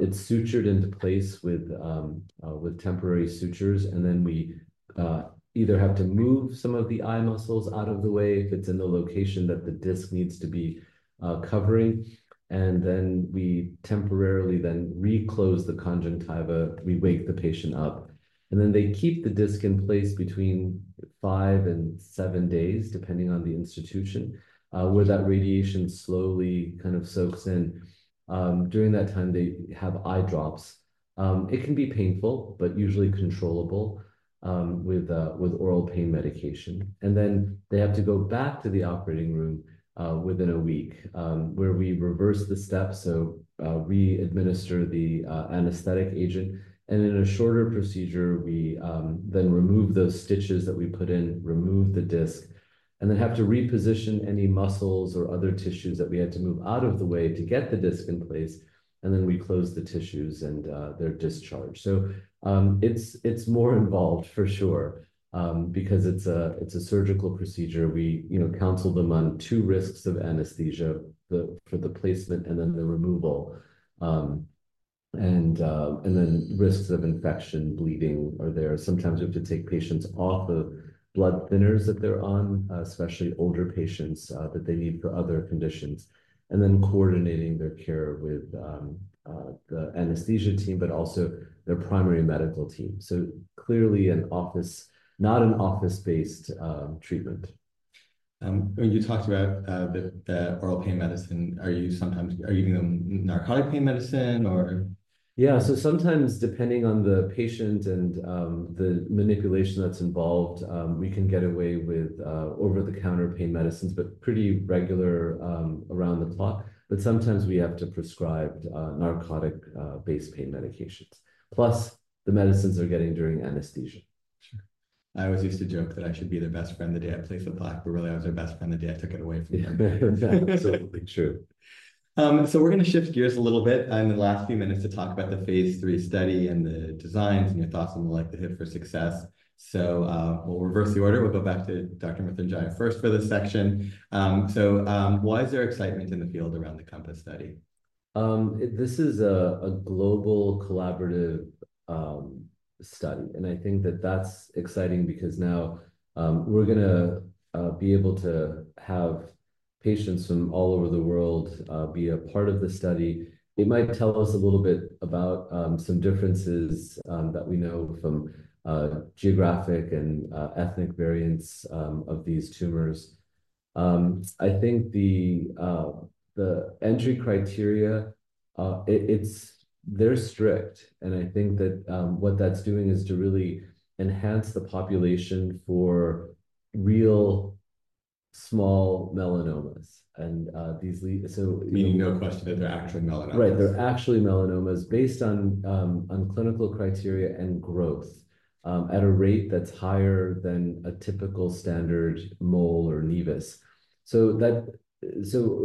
It's sutured into place with temporary sutures, and then we either have to move some of the eye muscles out of the way if it's in the location that the disc needs to be covering, and then we temporarily then reclose the conjunctiva. We wake the patient up, and then they keep the disc in place between five and seven days, depending on the institution, where that radiation slowly kind of soaks in. During that time, they have eye drops. It can be painful, but usually controllable with oral pain medication. And then they have to go back to the operating room within a week, where we reverse the steps, so we administer the anesthetic agent, and in a shorter procedure, we then remove those stitches that we put in, remove the disc, and then have to reposition any muscles or other tissues that we had to move out of the way to get the disc in place, and then we close the tissues, and they're discharged. So, it's more involved, for sure, because it's a surgical procedure. We, you know, counsel them on two risks of anesthesia for the placement and then the removal. And then risks of infection, bleeding are there. Sometimes we have to take patients off of blood thinners that they're on, especially older patients, that they need for other conditions, and then coordinating their care with the anesthesia team, but also their primary medical team. So clearly an office- not an office-based treatment. And you talked about the oral pain medicine. Are you sometimes giving them narcotic pain medicine, or? Yeah, so sometimes, depending on the patient and the manipulation that's involved, we can get away with over-the-counter pain medicines, but pretty regular, around-the-clock. But sometimes we have to prescribe narcotic-based pain medications, plus the medicines they're getting during anesthesia. Sure. I always used to joke that I should be their best friend the day I place a plaque, but really, I was their best friend the day I took it away from them. Absolutely true. So we're gonna shift gears a little bit in the last few minutes to talk about the phase III study and the designs and your thoughts on the likelihood for success. So, we'll reverse the order. We'll go back to Dr. Mruthyunjaya first for this section. Why is there excitement in the field around the COMPASS study? This is a global collaborative study, and I think that that's exciting because now we're gonna be able to have patients from all over the world be a part of the study. It might tell us a little bit about some differences that we know from geographic and ethnic variants of these tumors. I think the entry criteria, they're strict, and I think that what that's doing is to really enhance the population for real small melanomas and these. Meaning no question that they're actually melanomas. Right, they're actually melanomas based on clinical criteria and growth at a rate that's higher than a typical standard mole or nevus. So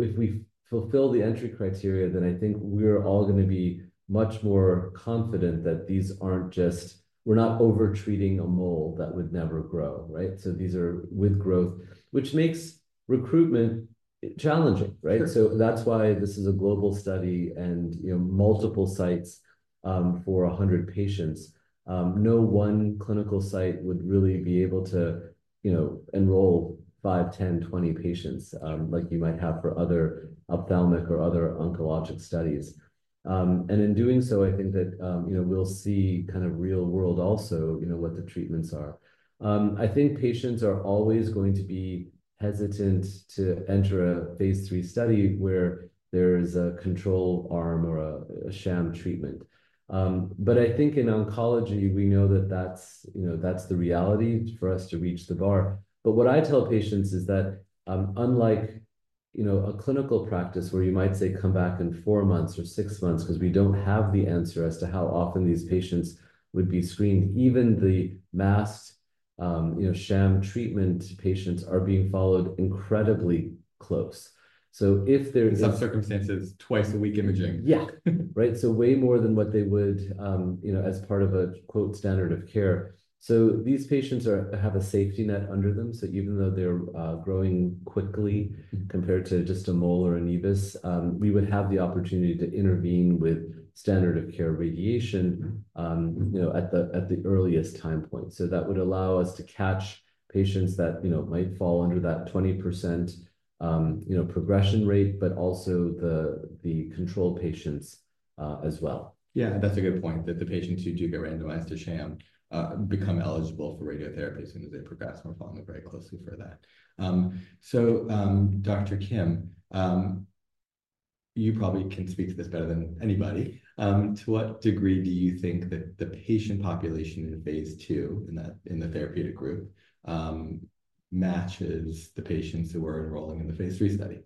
if we fulfill the entry criteria, then I think we're all gonna be much more confident that these aren't just... we're not over treating a mole that would never grow, right? So these are with growth, which makes recruitment challenging, right? So that's why this is a global study and, you know, multiple sites for a hundred patients. No one clinical site would really be able to, you know, enroll five, ten, twenty patients like you might have for other ophthalmic or other oncologic studies... and in doing so, I think that, you know, we'll see kind of real world also, you know, what the treatments are. I think patients are always going to be hesitant to enter a phase III study where there's a control arm or a sham treatment, but I think in oncology, we know that that's, you know, that's the reality for us to reach the bar. But what I tell patients is that, unlike, you know, a clinical practice where you might say, "Come back in four months or six months," 'cause we don't have the answer as to how often these patients would be screened, even the masked, you know, sham treatment patients are being followed incredibly close. So if there's- In some circumstances, twice-a-week imaging. Yeah, right? So way more than what they would, you know, as part of a, quote, "standard of care." So these patients have a safety net under them, so even though they're growing quickly compared to just a mole or a nevus, we would have the opportunity to intervene with standard of care radiation, you know, at the earliest time point. So that would allow us to catch patients that, you know, might fall under that 20%, you know, progression rate, but also the control patients, as well. Yeah, that's a good point, that the patients who do get randomized to sham become eligible for radiotherapy as soon as they progress, and we're following very closely for that. So, Dr. Kim, you probably can speak to this better than anybody. To what degree do you think that the patient population in phase II, in the therapeutic group, matches the patients who we're enrolling in the phase III study?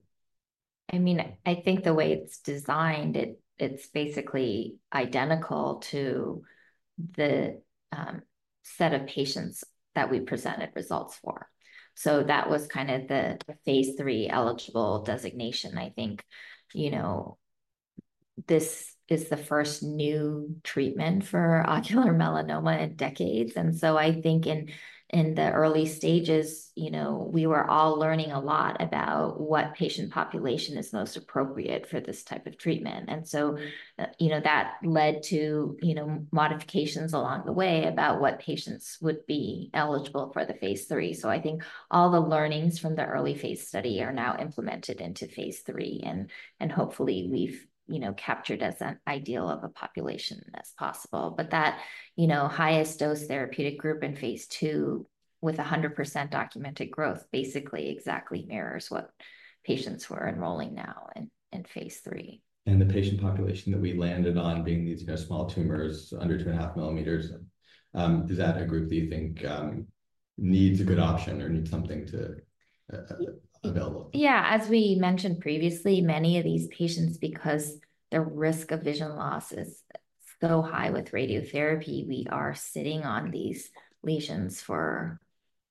I mean, I think the way it's designed, it's basically identical to the set of patients that we presented results for. So that was kind of the phase III eligible designation. I think, you know, this is the first new treatment for ocular melanoma in decades, and so I think in the early stages, you know, we were all learning a lot about what patient population is most appropriate for this type of treatment. And so, you know, that led to, you know, modifications along the way about what patients would be eligible for the phase III. So I think all the learnings from the early phase study are now implemented into phase III, and hopefully we've, you know, captured as ideal a population as possible. But that, you know, highest dose therapeutic group in phase II, with 100% documented growth, basically exactly mirrors what patients we're enrolling now in phase III. The patient population that we landed on, being these, you know, small tumors under two and a half mm, is that a group that you think needs a good option or needs something available? Yeah, as we mentioned previously, many of these patients, because their risk of vision loss is so high with radiotherapy, we are sitting on these lesions for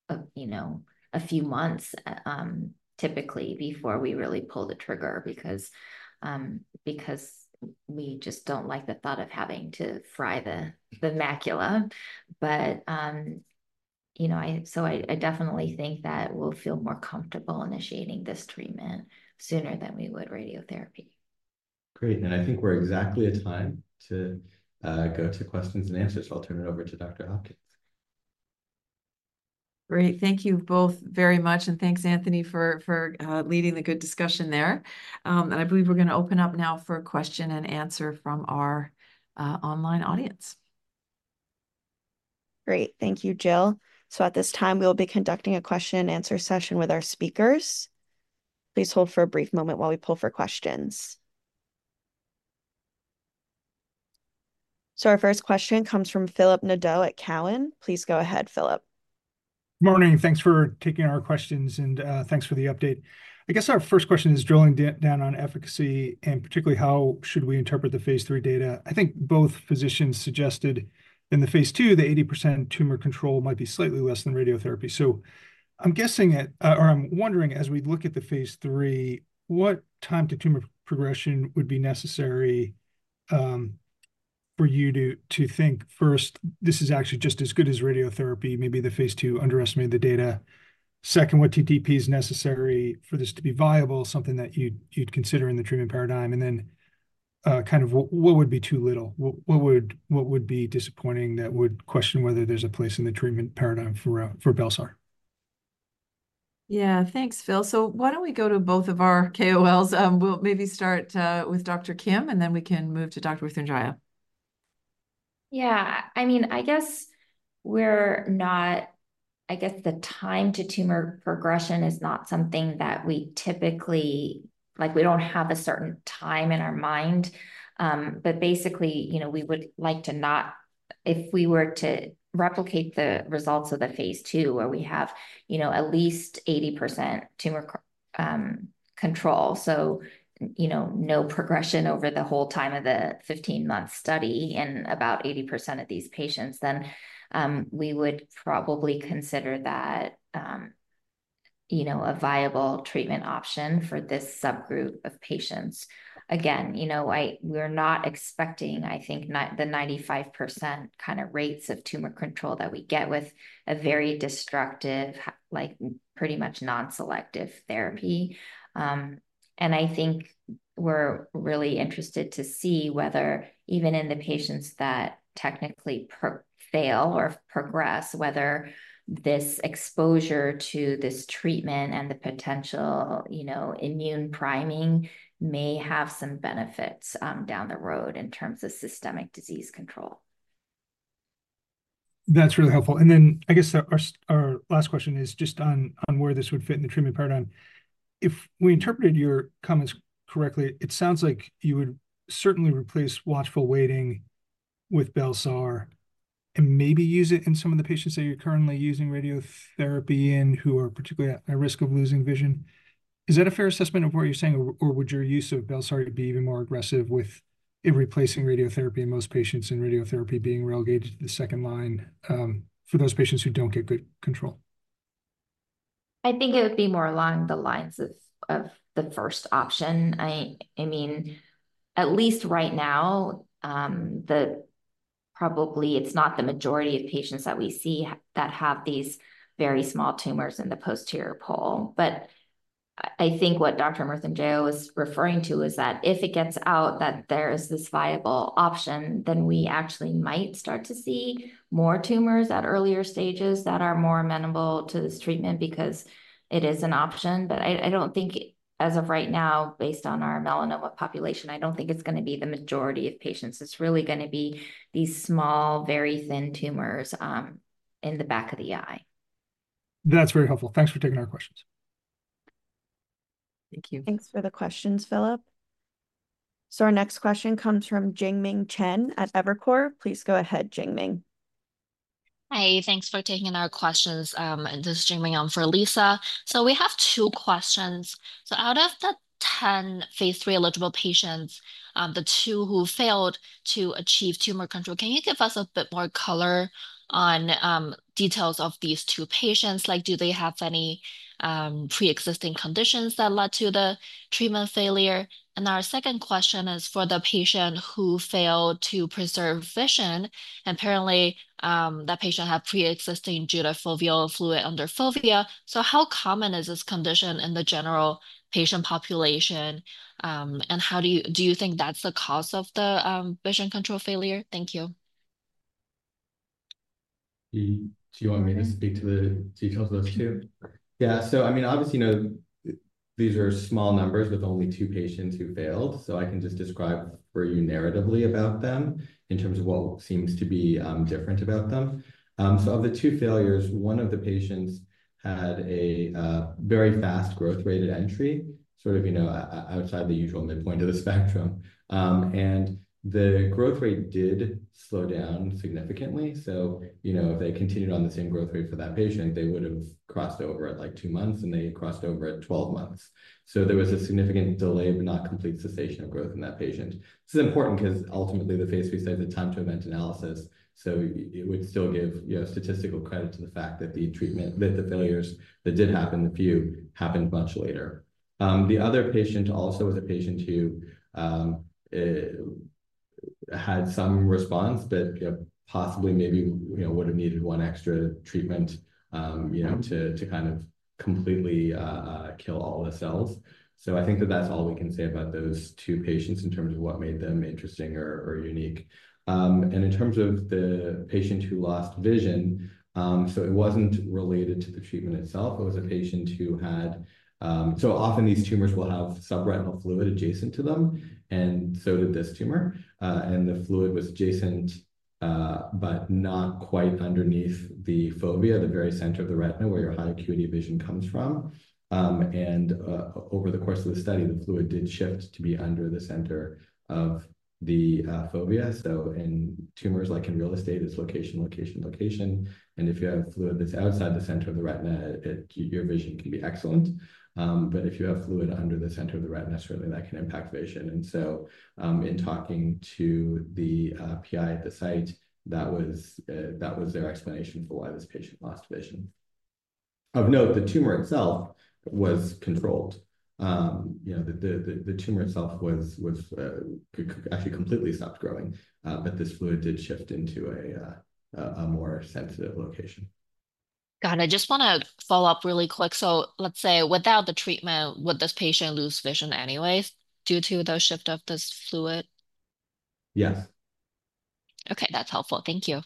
a few months, you know, typically, before we really pull the trigger, because we just don't like the thought of having to fry the macula. But, you know, I... So I definitely think that we'll feel more comfortable initiating this treatment sooner than we would radiotherapy. Great. And I think we're exactly at time to go to questions and answers, so I'll turn it over to Dr. Hopkins. Great. Thank you both very much, and thanks, Anthony, for leading the good discussion there. And I believe we're gonna open up now for question and answer from our online audience. Great. Thank you, Jill. So at this time, we will be conducting a question and answer session with our speakers. Please hold for a brief moment while we poll for questions. So our first question comes from Philip Nadeau at Cowen. Please go ahead, Philip. Morning, thanks for taking our questions, and thanks for the update. I guess our first question is drilling down on efficacy, and particularly, how should we interpret the phase III data? I think both physicians suggested in the phase II, the 80% tumor control might be slightly less than radiotherapy. So I'm guessing at or I'm wondering, as we look at the phase III, what time to tumor progression would be necessary for you to think, first, this is actually just as good as radiotherapy, maybe the phase II underestimated the data? Second, what TTP is necessary for this to be viable, something that you'd consider in the treatment paradigm, and then, kind of what would be too little? What would be disappointing that would question whether there's a place in the treatment paradigm for bel-sar? Yeah, thanks, Phil. So why don't we go to both of our KOLs? We'll maybe start with Dr. Kim, and then we can move to Dr. Mruthyunjaya. Yeah, I mean, I guess the time to tumor progression is not something that we typically, like, we don't have a certain time in our mind, but basically, you know, we would like. If we were to replicate the results of the phase II, where we have, you know, at least 80% tumor control, so, you know, no progression over the whole time of the 15-month study in about 80% of these patients, then we would probably consider that, you know, a viable treatment option for this subgroup of patients. Again, you know, we're not expecting, I think, the 95% kind of rates of tumor control that we get with a very destructive, like, pretty much non-selective therapy. And I think we're really interested to see whether even in the patients that technically fail or progress, whether this exposure to this treatment and the potential, you know, immune priming may have some benefits down the road in terms of systemic disease control.... That's really helpful. And then, I guess, our last question is just on where this would fit in the treatment paradigm. If we interpreted your comments correctly, it sounds like you would certainly replace watchful waiting with bel-sar, and maybe use it in some of the patients that you're currently using radiotherapy in, who are particularly at risk of losing vision. Is that a fair assessment of what you're saying, or would your use of bel-sar be even more aggressive with it replacing radiotherapy in most patients, and radiotherapy being relegated to the second line, for those patients who don't get good control? I think it would be more along the lines of the first option. I mean, at least right now, probably it's not the majority of patients that we see that have these very small tumors in the posterior pole. But I think what Dr. Mruthyunjaya and Jill was referring to is that if it gets out that there is this viable option, then we actually might start to see more tumors at earlier stages that are more amenable to this treatment because it is an option. But I don't think, as of right now, based on our melanoma population, I don't think it's gonna be the majority of patients. It's really gonna be these small, very thin tumors in the back of the eye. That's very helpful. Thanks for taking our questions. Thank you. Thanks for the questions, Philip. So our next question comes from Jingming Chen at Evercore. Please go ahead, Jingming. Hi, thanks for taking our questions. This is Jingming for Lisa. So we have two questions. So out of the 10 phase III eligible patients, the two who failed to achieve tumor control, can you give us a bit more color on details of these two patients? Like, do they have any pre-existing conditions that led to the treatment failure? And our second question is, for the patient who failed to preserve vision, and apparently that patient had pre-existing pseudophakic fluid under fovea. So how common is this condition in the general patient population? And how do you think that's the cause of the vision control failure? Thank you. Do you want me to speak to the details of those two? Yeah, so I mean, obviously, you know, these are small numbers with only two patients who failed, so I can just describe for you narratively about them in terms of what seems to be different about them. So, of the two failures, one of the patients had a very fast growth rate at entry, sort of, you know, outside the usual midpoint of the spectrum. And the growth rate did slow down significantly. So, you know, if they continued on the same growth rate for that patient, they would have crossed over at, like, two months, and they crossed over at twelve months. So there was a significant delay, but not complete cessation of growth in that patient. This is important 'cause ultimately, the phase III study is a time to event analysis, so it would still give, you know, statistical credit to the fact that the treatment, that the failures that did happen, the few, happened much later. The other patient also was a patient who had some response, but, you know, possibly, maybe, you know, would have needed one extra treatment, you know, to kind of completely kill all the cells. I think that that's all we can say about those two patients in terms of what made them interesting or unique. In terms of the patient who lost vision, so it wasn't related to the treatment itself. It was a patient who had. Often these tumors will have subretinal fluid adjacent to them, and so did this tumor. And the fluid was adjacent, but not quite underneath the fovea, the very center of the retina, where your high acuity vision comes from. And over the course of the study, the fluid did shift to be under the center of the fovea. So in tumors, like in real estate, it's location, location, location, and if you have fluid that's outside the center of the retina, it, your vision can be excellent. But if you have fluid under the center of the retina, certainly that can impact vision. And so, in talking to the PI at the site, that was their explanation for why this patient lost vision. Of note, the tumor itself was controlled. You know, the tumor itself was actually completely stopped growing, but this fluid did shift into a more sensitive location. Got it. I just wanna follow up really quick. So let's say, without the treatment, would this patient lose vision anyways due to the shift of this fluid? Yes. Okay, that's helpful. Thank you.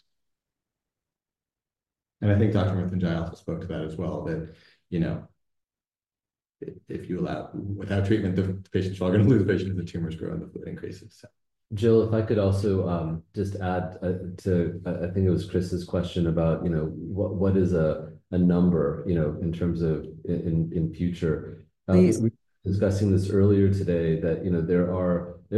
I think Dr. Mruthyunjaya and Jill also spoke to that as well, that, you know, if you allow without treatment, the patient's probably gonna lose vision if the tumors grow, and the fluid increases, so. Jill, if I could also just add to, I think it was Chris's question about, you know, what is a number, you know, in terms of in future? Yes. We were discussing this earlier today, that, you know, there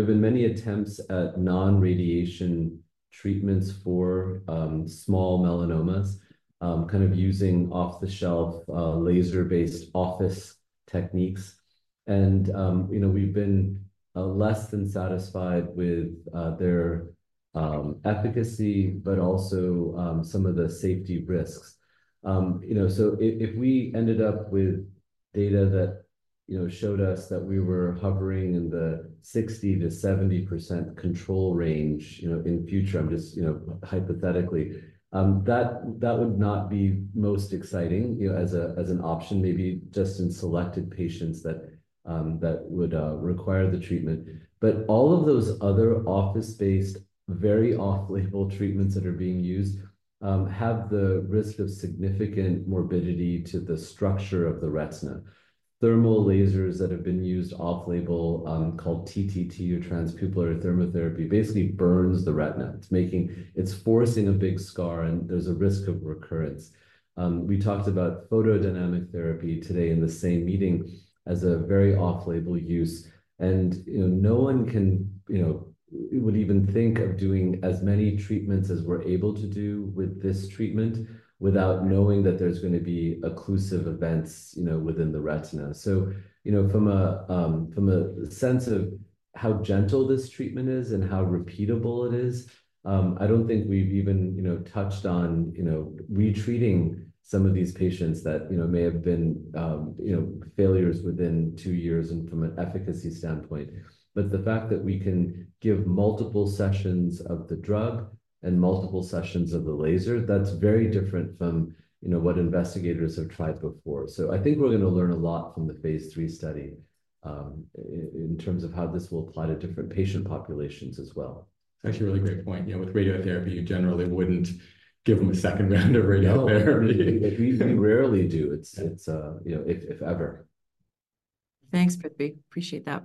have been many attempts at non-radiation treatments for small melanomas, kind of using off-the-shelf laser-based office techniques. And, you know, we've been less than satisfied with their efficacy, but also some of the safety risks. You know, so if we ended up with data that, you know, showed us that we were hovering in the 60%-70% control range, you know, in future, I'm just, you know, hypothetically, that would not be most exciting, you know, as an option, maybe just in selected patients that would require the treatment. But all of those other office-based, very off-label treatments that are being used have the risk of significant morbidity to the structure of the retina. Thermal lasers that have been used off-label, called TTT, or transpupillary thermotherapy, basically burns the retina. It's forcing a big scar, and there's a risk of recurrence. We talked about photodynamic therapy today in the same meeting as a very off-label use, and, you know, no one can, you know, would even think of doing as many treatments as we're able to do with this treatment without knowing that there's gonna be occlusive events, you know, within the retina. So, you know, from a sense of how gentle this treatment is and how repeatable it is, I don't think we've even, you know, touched on, you know, re-treating some of these patients that, you know, may have been, you know, failures within two years and from an efficacy standpoint. But the fact that we can give multiple sessions of the drug and multiple sessions of the laser, that's very different from, you know, what investigators have tried before. So I think we're gonna learn a lot from the phase III study, in terms of how this will apply to different patient populations as well. That's a really great point. You know, with radiotherapy, you generally wouldn't give them a second round of radiotherapy. No, we rarely do. It's, you know, if ever. Thanks, Prithvi. Appreciate that.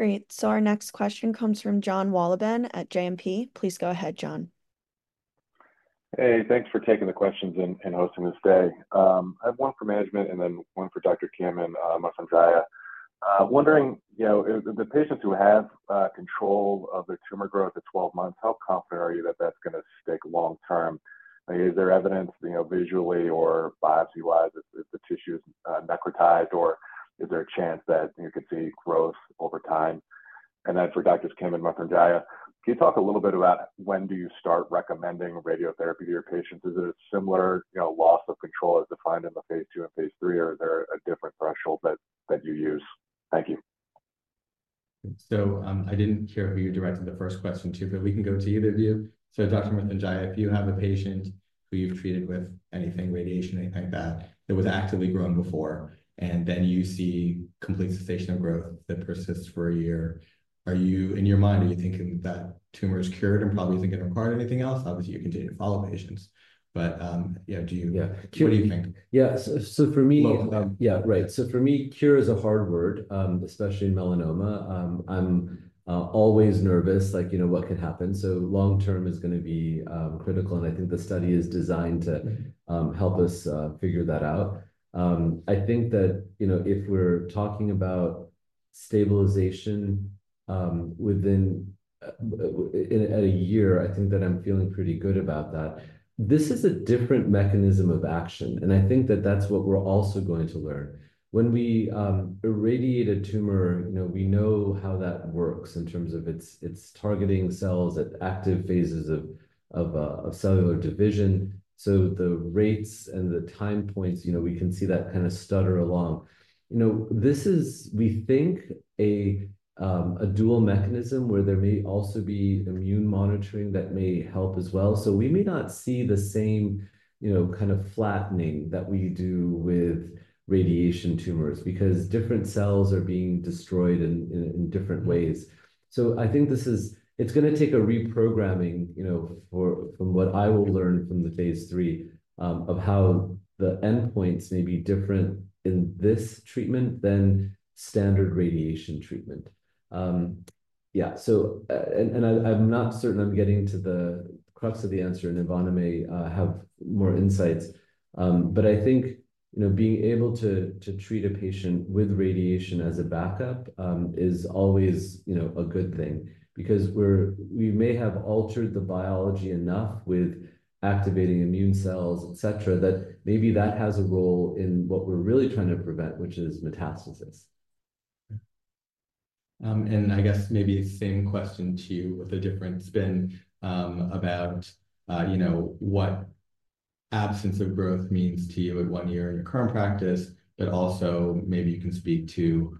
Great, so our next question comes from Jon Wolleben at JMP. Please go ahead, John. Hey, thanks for taking the questions and hosting this day. I have one for management and then one for Dr. Kim and Mruthyunjaya. Wondering, you know, if the patients who have control of their tumor growth at twelve months, how confident are you that that's gonna stick long term? Like, is there evidence, you know, visually or biopsy-wise, if the tissue is necrotized, or is there a chance that you could see growth over time? And then for Doctors Kim and Mruthyunjaya, can you talk a little bit about when do you start recommending radiotherapy to your patients? Is it a similar, you know, loss of control as defined in the phase II and phase III, or are there a different threshold that you use? Thank you. So, I didn't hear who you directed the first question to, but we can go to either of you. So Dr. Prithvi Mruthyunjaya, if you have a patient who you've treated with anything, radiation, anything like that, that was actively growing before, and then you see complete cessation of growth that persists for a year, are you... In your mind, are you thinking that tumor is cured and probably isn't going to require anything else? Obviously, you continue to follow patients, but, you know, do you- What do you think? Yeah, right. So for me, cure is a hard word, especially in melanoma. I'm always nervous, like, you know, what could happen? So long term is gonna be critical, and I think the study is designed to help us figure that out. I think that, you know, if we're talking about stabilization within a year, I think that I'm feeling pretty good about that. This is a different mechanism of action, and I think that that's what we're also going to learn. When we irradiate a tumor, you know, we know how that works in terms of its. It's targeting cells at active phases of cellular division. So the rates and the time points, you know, we can see that kind of stutter along. You know, this is, we think, a dual mechanism where there may also be immune monitoring that may help as well. So we may not see the same, you know, kind of flattening that we do with radiation tumors because different cells are being destroyed in different ways. So I think this is. It's gonna take a reprogramming, you know, for, from what I will learn from the phase III, of how the endpoints may be different in this treatment than standard radiation treatment. Yeah, so, and I, I'm not certain I'm getting to the crux of the answer, and Ivana may have more insights. But I think, you know, being able to treat a patient with radiation as a backup is always, you know, a good thing because we may have altered the biology enough with activating immune cells, et cetera, that maybe that has a role in what we're really trying to prevent, which is metastasis. And I guess maybe the same question to you with a different spin, about, you know, what absence of growth means to you at one year in your current practice, but also, maybe you can speak to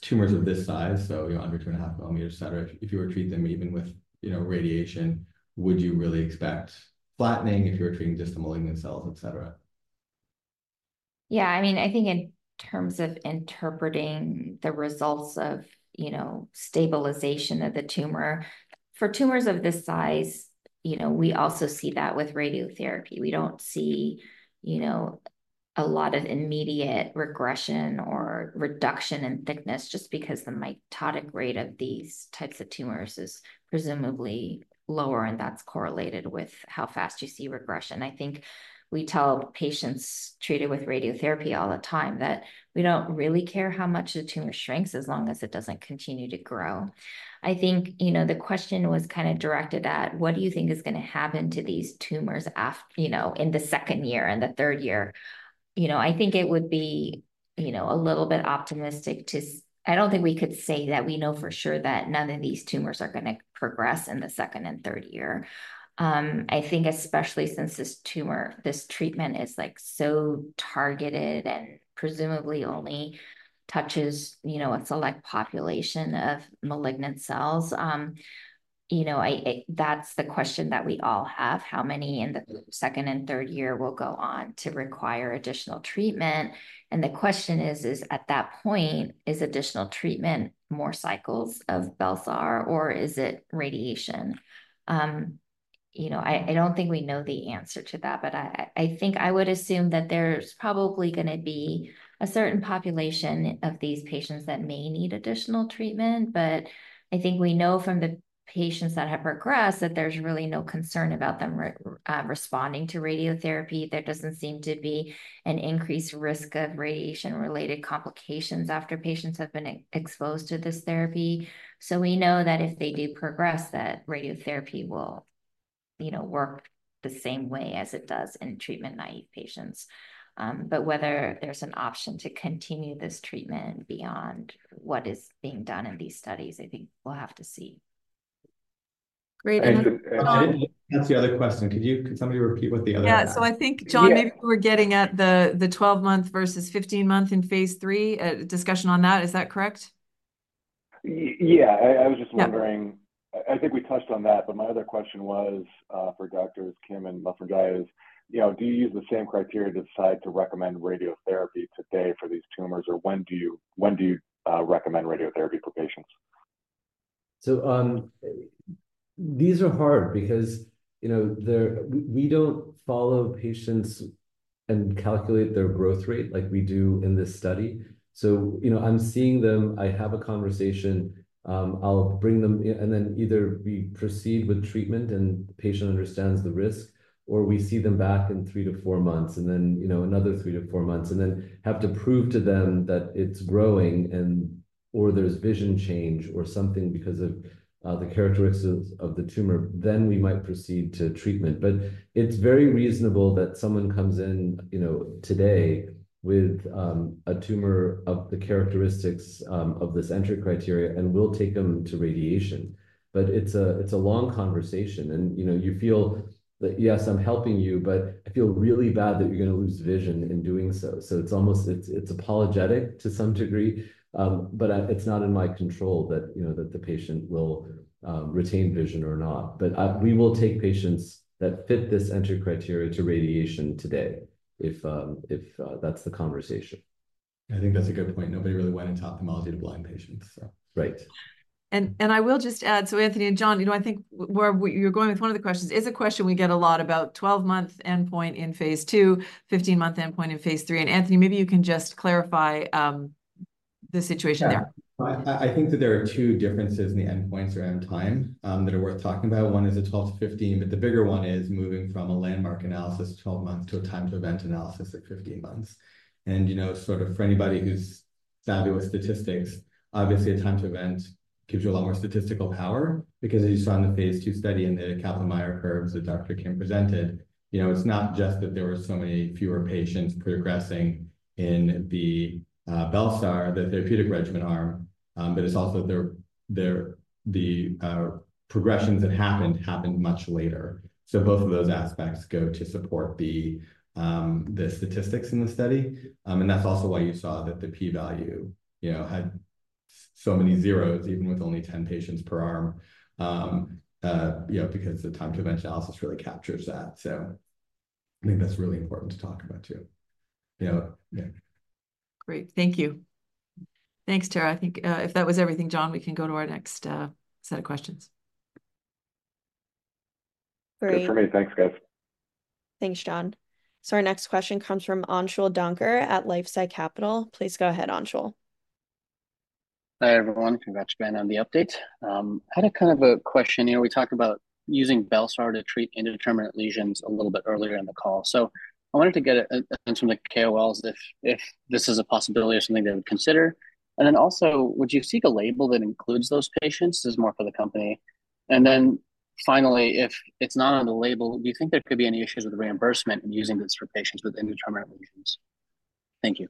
tumors of this size, so, you know, under two and a half mm, et cetera. If you were to treat them even with, you know, radiation, would you really expect flattening if you were treating just the malignant cells, et cetera? Yeah, I mean, I think in terms of interpreting the results of, you know, stabilization of the tumor, for tumors of this size, you know, we also see that with radiotherapy. We don't see, you know, a lot of immediate regression or reduction in thickness just because the mitotic rate of these types of tumors is presumably lower, and that's correlated with how fast you see regression. I think we tell patients treated with radiotherapy all the time that we don't really care how much the tumor shrinks, as long as it doesn't continue to grow. I think, you know, the question was kind of directed at: What do you think is gonna happen to these tumors aft- you know, in the second year and the third year? You know, I think it would be, you know, a little bit optimistic to... I don't think we could say that we know for sure that none of these tumors are gonna progress in the second and third year. I think especially since this tumor, this treatment is, like, so targeted and presumably only touches, you know, a select population of malignant cells, that's the question that we all have. How many in the second and third year will go on to require additional treatment? And the question is, is at that point, is additional treatment more cycles of bel-sar, or is it radiation? You know, I don't think we know the answer to that, but I think I would assume that there's probably gonna be a certain population of these patients that may need additional treatment. But I think we know from the patients that have progressed, that there's really no concern about them responding to radiotherapy. There doesn't seem to be an increased risk of radiation-related complications after patients have been exposed to this therapy. So we know that if they do progress, that radiotherapy will, you know, work the same way as it does in treatment-naive patients. But whether there's an option to continue this treatment beyond what is being done in these studies, I think we'll have to see. I didn't. That's the other question. Could somebody repeat what the other one was? Yeah, so I think, John- maybe we're getting at the twelve-month versus fifteen-month in phase III discussion on that. Is that correct? Yeah, I was just wondering. I think we touched on that, but my other question was for Doctors Kim and Mruthyunjaya, is, you know, do you use the same criteria to decide to recommend radiotherapy today for these tumors, or when do you recommend radiotherapy for patients? So, these are hard because, you know, we don't follow patients and calculate their growth rate like we do in this study. So, you know, I'm seeing them, I have a conversation, I'll bring them in, and then either we proceed with treatment, and the patient understands the risk, or we see them back in three to four months, and then, you know, another three to four months, and then have to prove to them that it's growing and or there's vision change or something because of the characteristics of the tumor, then we might proceed to treatment. But it's very reasonable that someone comes in, you know, today with a tumor of the characteristics of this entry criteria, and we'll take them to radiation. But it's a long conversation and, you know, you feel that, yes, I'm helping you, but I feel really bad that you're gonna lose vision in doing so. So it's almost apologetic to some degree, but it's not in my control that, you know, that the patient will retain vision or not. But we will take patients that fit this entry criteria to radiation today, if that's the conversation. I think that's a good point. Nobody really went and taught ophthalmology to blind patients, so. Right. I will just add, so Anthony and Jon, you know, I think where you're going with one of the questions is a question we get a lot about 12-month endpoint in phase II, 15-month endpoint in phase III. Anthony, maybe you can just clarify the situation there. Yeah. I think that there are two differences in the endpoints around time that are worth talking about. One is the twelve to fifteen, but the bigger one is moving from a landmark analysis, twelve months, to a time to event analysis at fifteen months. And, you know, sort of for anybody who's savvy with statistics, obviously, a time to event gives you a lot more statistical power, because as you saw in the phase II study, in the Kaplan-Meier curves that Dr. Kim presented, you know, it's not just that there were so many fewer patients progressing in the bel-sar, the therapeutic regimen arm, but it's also the progressions that happened much later. So both of those aspects go to support the statistics in the study. And that's also why you saw that the p-value, you know, had so many zeros, even with only 10 patients per arm. You know, because the time to event analysis really captures that. So I think that's really important to talk about, too. You know? Yeah. Great. Thank you. Thanks, Tara. I think, if that was everything, Jon, we can go to our next set of questions. Great. That's for me. Thanks, guys. Thanks, John. So our next question comes from Anshul Dhankher at LifeSci Capital. Please go ahead, Anshul. Hi, everyone. Congrats again on the update. Had a kind of a question. You know, we talked about using bel-sar to treat indeterminate lesions a little bit earlier in the call. So I wanted to get a sense from the KOLs if this is a possibility or something to consider. And then also, would you seek a label that includes those patients? This is more for the company. And then finally, if it's not on the label, do you think there could be any issues with reimbursement in using this for patients with indeterminate lesions? Thank you.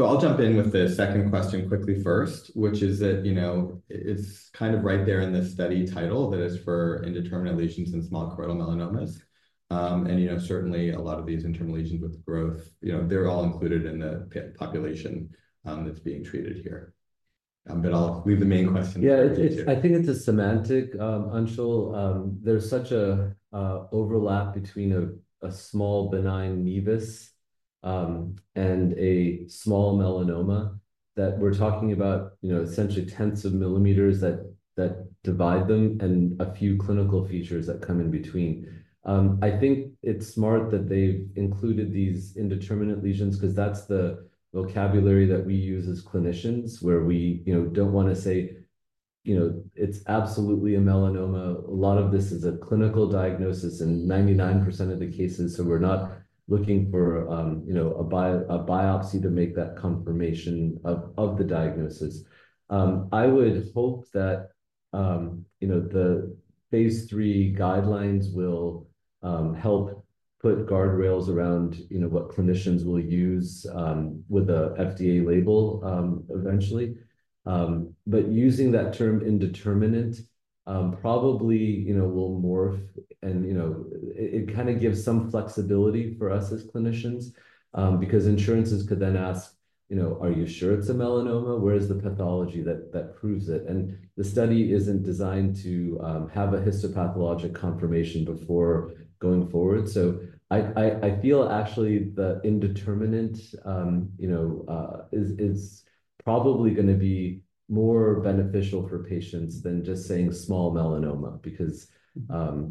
So I'll jump in with the second question quickly first, which is that, you know, it's kind of right there in the study title, that is for indeterminate lesions and small choroidal melanomas. And, you know, certainly, a lot of these indeterminate lesions with growth, you know, they're all included in the population that's being treated here. But I'll leave the main question- Yeah, I think it's a semantic, Anshul. There's such a overlap between a small benign nevus, and a small melanoma, that we're talking about, you know, essentially tenths of mm that divide them and a few clinical features that come in between. I think it's smart that they've included these indeterminate lesions because that's the vocabulary that we use as clinicians, where we, you know, don't wanna say, you know, it's absolutely a melanoma. A lot of this is a clinical diagnosis in 99% of the cases, so we're not looking for, you know, a biopsy to make that confirmation of the diagnosis. I would hope that, you know, the phase III guidelines will help put guardrails around, you know, what clinicians will use, with a FDA label, eventually. But using that term indeterminate, probably, you know, will morph and, you know, it kinda gives some flexibility for us as clinicians. Because insurances could then ask, you know, "Are you sure it's a melanoma? Where is the pathology that proves it?" And the study isn't designed to have a histopathologic confirmation before going forward. So I feel actually the indeterminate, you know, is probably gonna be more beneficial for patients than just saying small melanoma because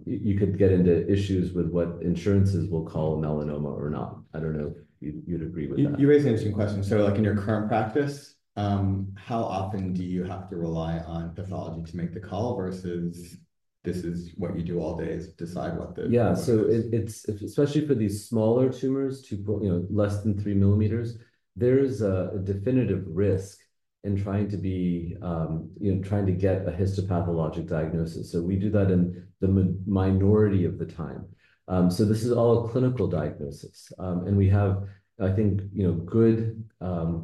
you could get into issues with what insurances will call a melanoma or not. I don't know if you'd agree with that. You raise an interesting question. So, like, in your current practice, how often do you have to rely on pathology to make the call versus this is what you do all day, is decide what the- Yeah. So it's especially for these smaller tumors, you know, less than three mm, there's a definitive risk in trying to be, you know, trying to get a histopathologic diagnosis. So we do that in the minority of the time. So this is all a clinical diagnosis. And we have, I think, you know, good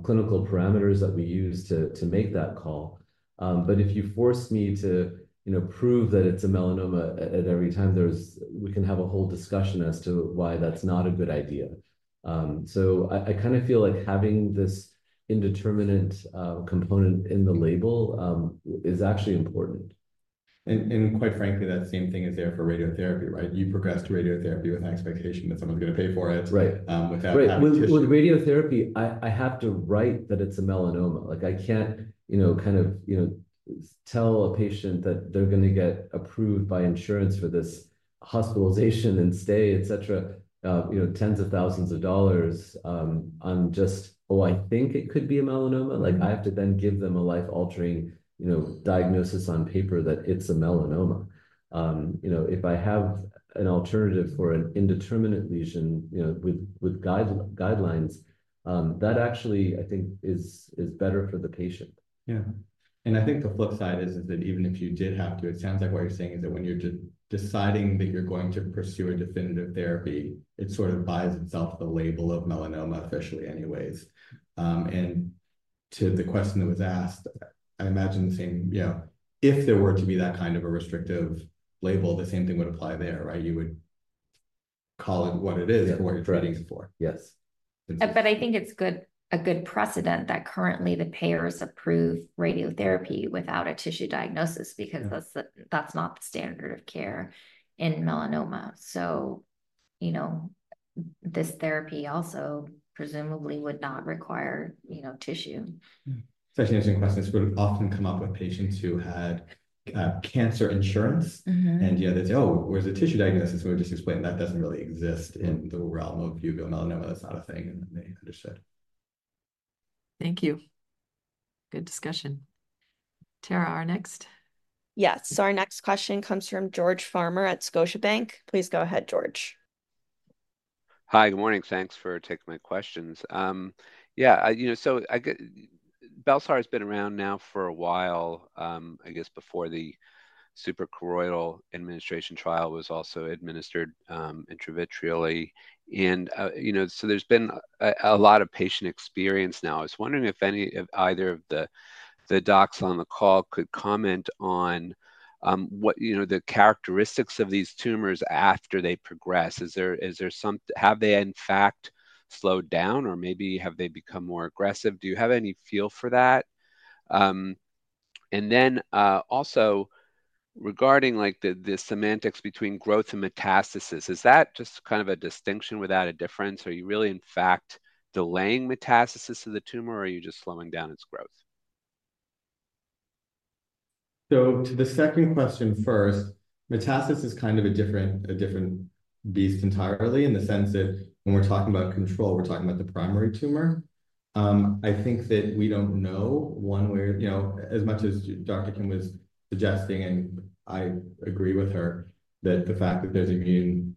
clinical parameters that we use to make that call. But if you force me to, you know, prove that it's a melanoma at every time, we can have a whole discussion as to why that's not a good idea. So I kinda feel like having this indeterminate component in the label is actually important. And quite frankly, that same thing is there for radiotherapy, right? You progress to radiotherapy with an expectation that someone's gonna pay for it-without having tissue. With radiotherapy, I have to write that it's a melanoma. Like, I can't, you know, kind of, you know, tell a patient that they're gonna get approved by insurance for this hospitalization and stay, et cetera, you know, tens of thousands of dollars, on just, "Oh, I think it could be a melanoma. Like, I have to then give them a life-altering, you know, diagnosis on paper that it's a melanoma. You know, if I have an alternative for an indeterminate lesion, you know, with guidelines, that actually, I think, is better for the patient. Yeah. And I think the flip side is that even if you did have to, it sounds like what you're saying is that when you're deciding that you're going to pursue a definitive therapy, it sort of buys itself the label of melanoma officially anyways. And to the question that was asked, I imagine the same. You know, if there were to be that kind of a restrictive label, the same thing would apply there, right? You would call it what it is-and what you're treating it for. Yes. But I think it's a good precedent that currently the payers approve radiotherapy without a tissue diagnosis because that's, that's not the standard of care in melanoma. So, you know, this therapy also presumably would not require, you know, tissue. It's actually an interesting question. This would often come up with patients who had cancer insurance. And, you know, they'd say, "Oh, where's the tissue diagnosis?" And we'll just explain that doesn't really exist in the realm of uveal melanoma. That's not a thing, and they understood. Thank you. Good discussion. Tara, our next? Yes. So our next question comes from George Farmer at Scotiabank. Please go ahead, George. Hi, good morning. Thanks for taking my questions. Yeah, you know, so bel-sar has been around now for a while. I guess before the suprachoroidal administration trial was also administered intravitreally. You know, so there's been a lot of patient experience now. I was wondering if either of the docs on the call could comment on what, you know, the characteristics of these tumors after they progress. Is there? Have they, in fact, slowed down, or maybe have they become more aggressive? Do you have any feel for that? And then, also regarding, like, the semantics between growth and metastasis, is that just kind of a distinction without a difference, or are you really in fact delaying metastasis of the tumor, or are you just slowing down its growth? So to the second question first, metastasis is kind of a different beast entirely in the sense that when we're talking about control, we're talking about the primary tumor. I think that we don't know one way. You know, as much as Dr. Kim was suggesting, and I agree with her, that the fact that there's immune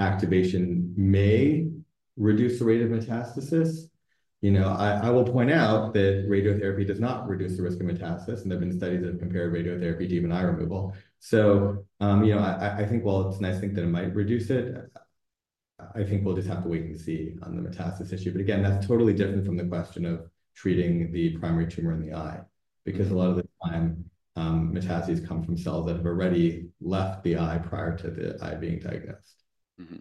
activation may reduce the rate of metastasis. You know, I think while it's nice to think that it might reduce it, I think we'll just have to wait and see on the metastasis issue. But again, that's totally different from the question of treating the primary tumor in the eye. Because a lot of the time, metastases come from cells that have already left the eye prior to the eye being diagnosed. Mm-hmm.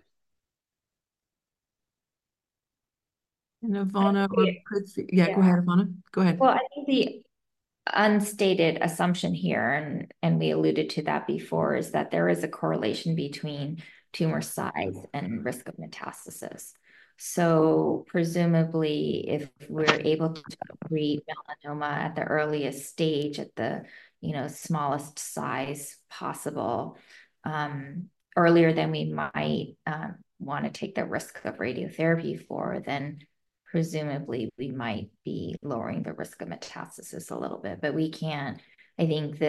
And Ivona Yeah, go ahead, Ivana. Go ahead. I think the unstated assumption here, and we alluded to that before, is that there is a correlation between tumor size and risk of metastasis. So presumably, if we're able to treat melanoma at the earliest stage, you know, smallest size possible, earlier than we might wanna take the risk of radiotherapy for, then presumably, we might be lowering the risk of metastasis a little bit. But we can't. I think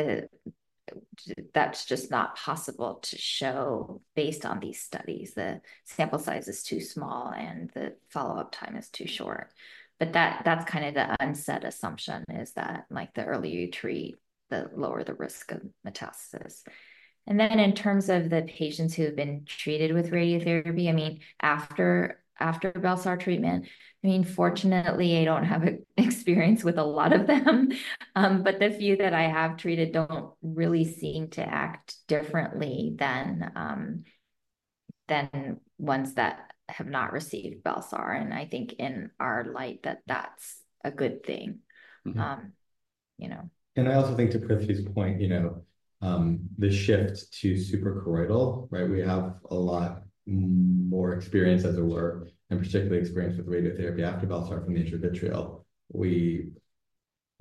that's just not possible to show based on these studies. The sample size is too small, and the follow-up time is too short. But that, that's kinda the unsaid assumption, is that, like, the earlier you treat, the lower the risk of metastasis. And then in terms of the patients who have been treated with radiotherapy, I mean, after bel-sar treatment, I mean, fortunately, I don't have experience with a lot of them. But the few that I have treated don't really seem to act differently than, ones that have not received bel-sar, and I think in our light, that that's a good thing. Mm-hmm. You know? I also think to Prithvi's point, you know, the shift to suprachoroidal, right? We have a lot more experience, as it were, and particularly experience with radiotherapy after bel sar from the intravitreal. We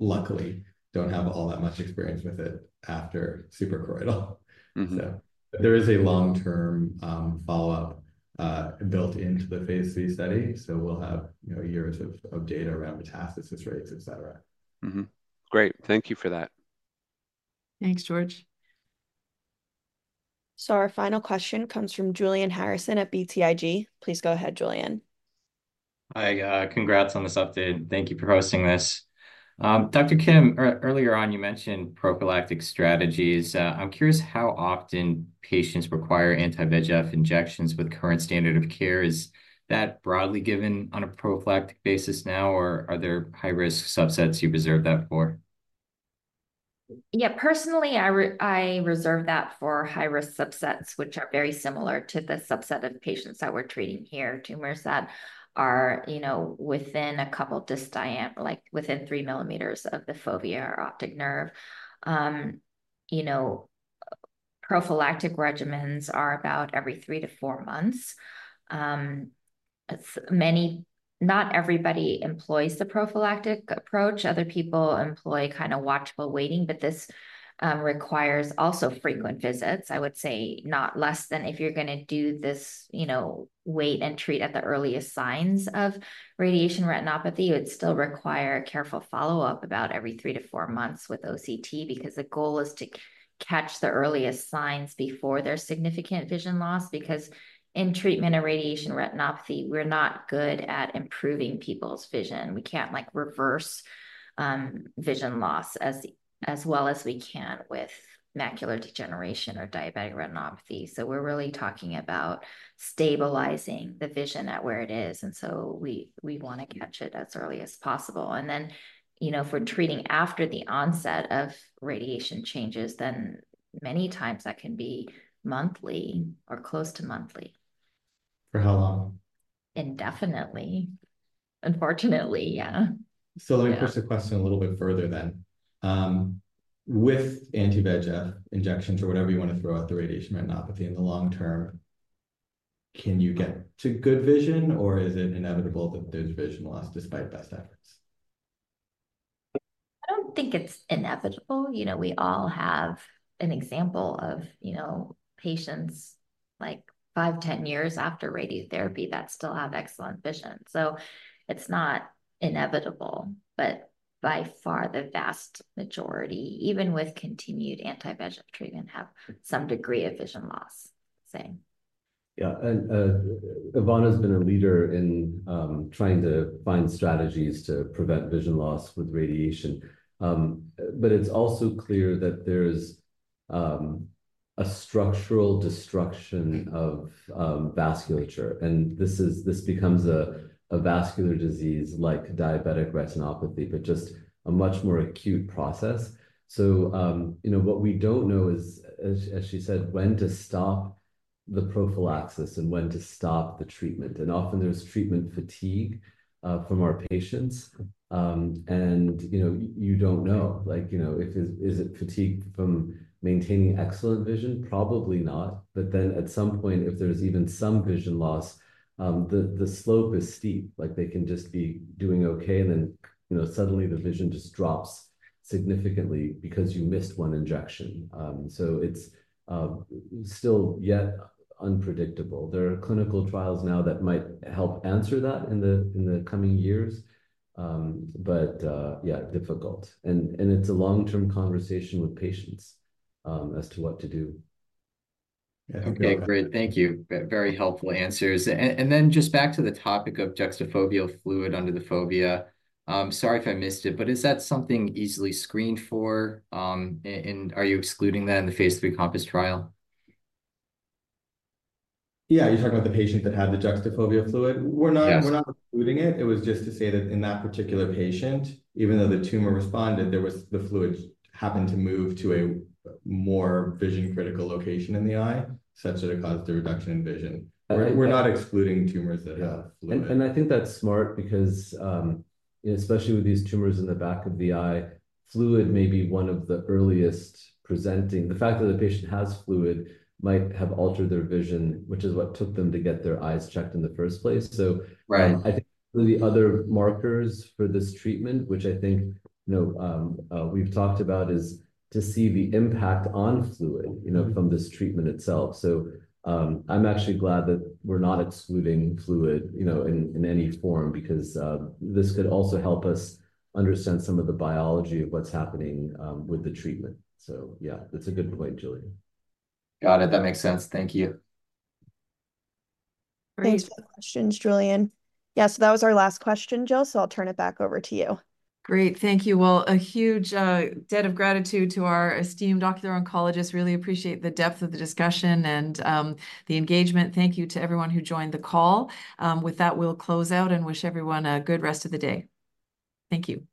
luckily don't have all that much experience with it after suprachoroidal. There is a long-term follow-up built into the phase III study, so we'll have, you know, years of data around metastasis rates, et cetera. Mm-hmm. Great, thank you for that. Thanks, George. So our final question comes from Julian Harrison at BTIG. Please go ahead, Julian. Hi, congrats on this update, and thank you for hosting this. Dr. Kim, earlier on, you mentioned prophylactic strategies. I'm curious how often patients require anti-VEGF injections with current standard of care. Is that broadly given on a prophylactic basis now, or are there high-risk subsets you reserve that for? Yeah, personally, I reserve that for high-risk subsets, which are very similar to the subset of patients that we're treating here, tumors that are, you know, within a couple disc diameters like within three mm of the fovea or optic nerve. You know, prophylactic regimens are about every three to four months. Not everybody employs the prophylactic approach. Other people employ kind of watchful waiting, but this requires also frequent visits. I would say not less than if you're gonna do this, you know, wait and treat at the earliest signs of radiation retinopathy. You would still require careful follow-up about every three to four months with OCT because the goal is to catch the earliest signs before there's significant vision loss, because in treatment of radiation retinopathy, we're not good at improving people's vision. We can't, like, reverse vision loss as well as we can with macular degeneration or diabetic retinopathy. So we're really talking about stabilizing the vision at where it is, and so we wanna catch it as early as possible. And then, you know, if we're treating after the onset of radiation changes, then many times that can be monthly or close to monthly. For how long? Indefinitely. Unfortunately, yeah. So let me push the question a little bit further, then. With anti-VEGF injections or whatever you wanna throw at the radiation retinopathy in the long term, can you get to good vision, or is it inevitable that there's vision loss despite best efforts? I don't think it's inevitable. You know, we all have an example of, you know, patients, like five, ten years after radiotherapy, that still have excellent vision. So it's not inevitable, but by far, the vast majority, even with continued anti-VEGF treatment, have some degree of vision loss, say. Yeah, and Ivana's been a leader in trying to find strategies to prevent vision loss with radiation. But it's also clear that there's a structural destruction of vasculature, and this is. This becomes a vascular disease like diabetic retinopathy, but just a much more acute process. So, you know, what we don't know is, as she said, when to stop the prophylaxis and when to stop the treatment. And often, there's treatment fatigue from our patients, and you know, you don't know. Like, you know, if, is it fatigue from maintaining excellent vision? Probably not. But then, at some point, if there's even some vision loss, the slope is steep. Like, they can just be doing okay, and then, you know, suddenly the vision just drops significantly because you missed one injection. It's still yet unpredictable. There are clinical trials now that might help answer that in the coming years, but yeah, difficult, and it's a long-term conversation with patients as to what to do. Okay, great. Thank you. Very helpful answers. And then just back to the topic of juxtafoveal fluid under the fovea, sorry if I missed it, but is that something easily screened for, and are you excluding that in the phase III COMPASS trial? Yeah, you're talking about the patient that had the juxtafoveal fluid? Yes. We're not excluding it. It was just to say that in that particular patient, even though the tumor responded, there was... the fluid happened to move to a more vision-critical location in the eye, such that it caused a reduction in vision. We're not excluding tumors that have fluid. And I think that's smart because, especially with these tumors in the back of the eye, fluid may be one of the earliest presenting... The fact that the patient has fluid might have altered their vision, which is what took them to get their eyes checked in the first place. So I think the other markers for this treatment, which I think, you know, we've talked about, is to see the impact on fluid you know, from this treatment itself. So, I'm actually glad that we're not excluding fluid, you know, in any form because this could also help us understand some of the biology of what's happening with the treatment. So yeah, that's a good point, Julian. Got it. That makes sense. Thank you. Thanks for the questions, Julian. Yeah, so that was our last question, Jill, so I'll turn it back over to you. Great. Thank you. Well, a huge debt of gratitude to our esteemed ocular oncologists. Really appreciate the depth of the discussion and the engagement. Thank you to everyone who joined the call. With that, we'll close out and wish everyone a good rest of the day. Thank you.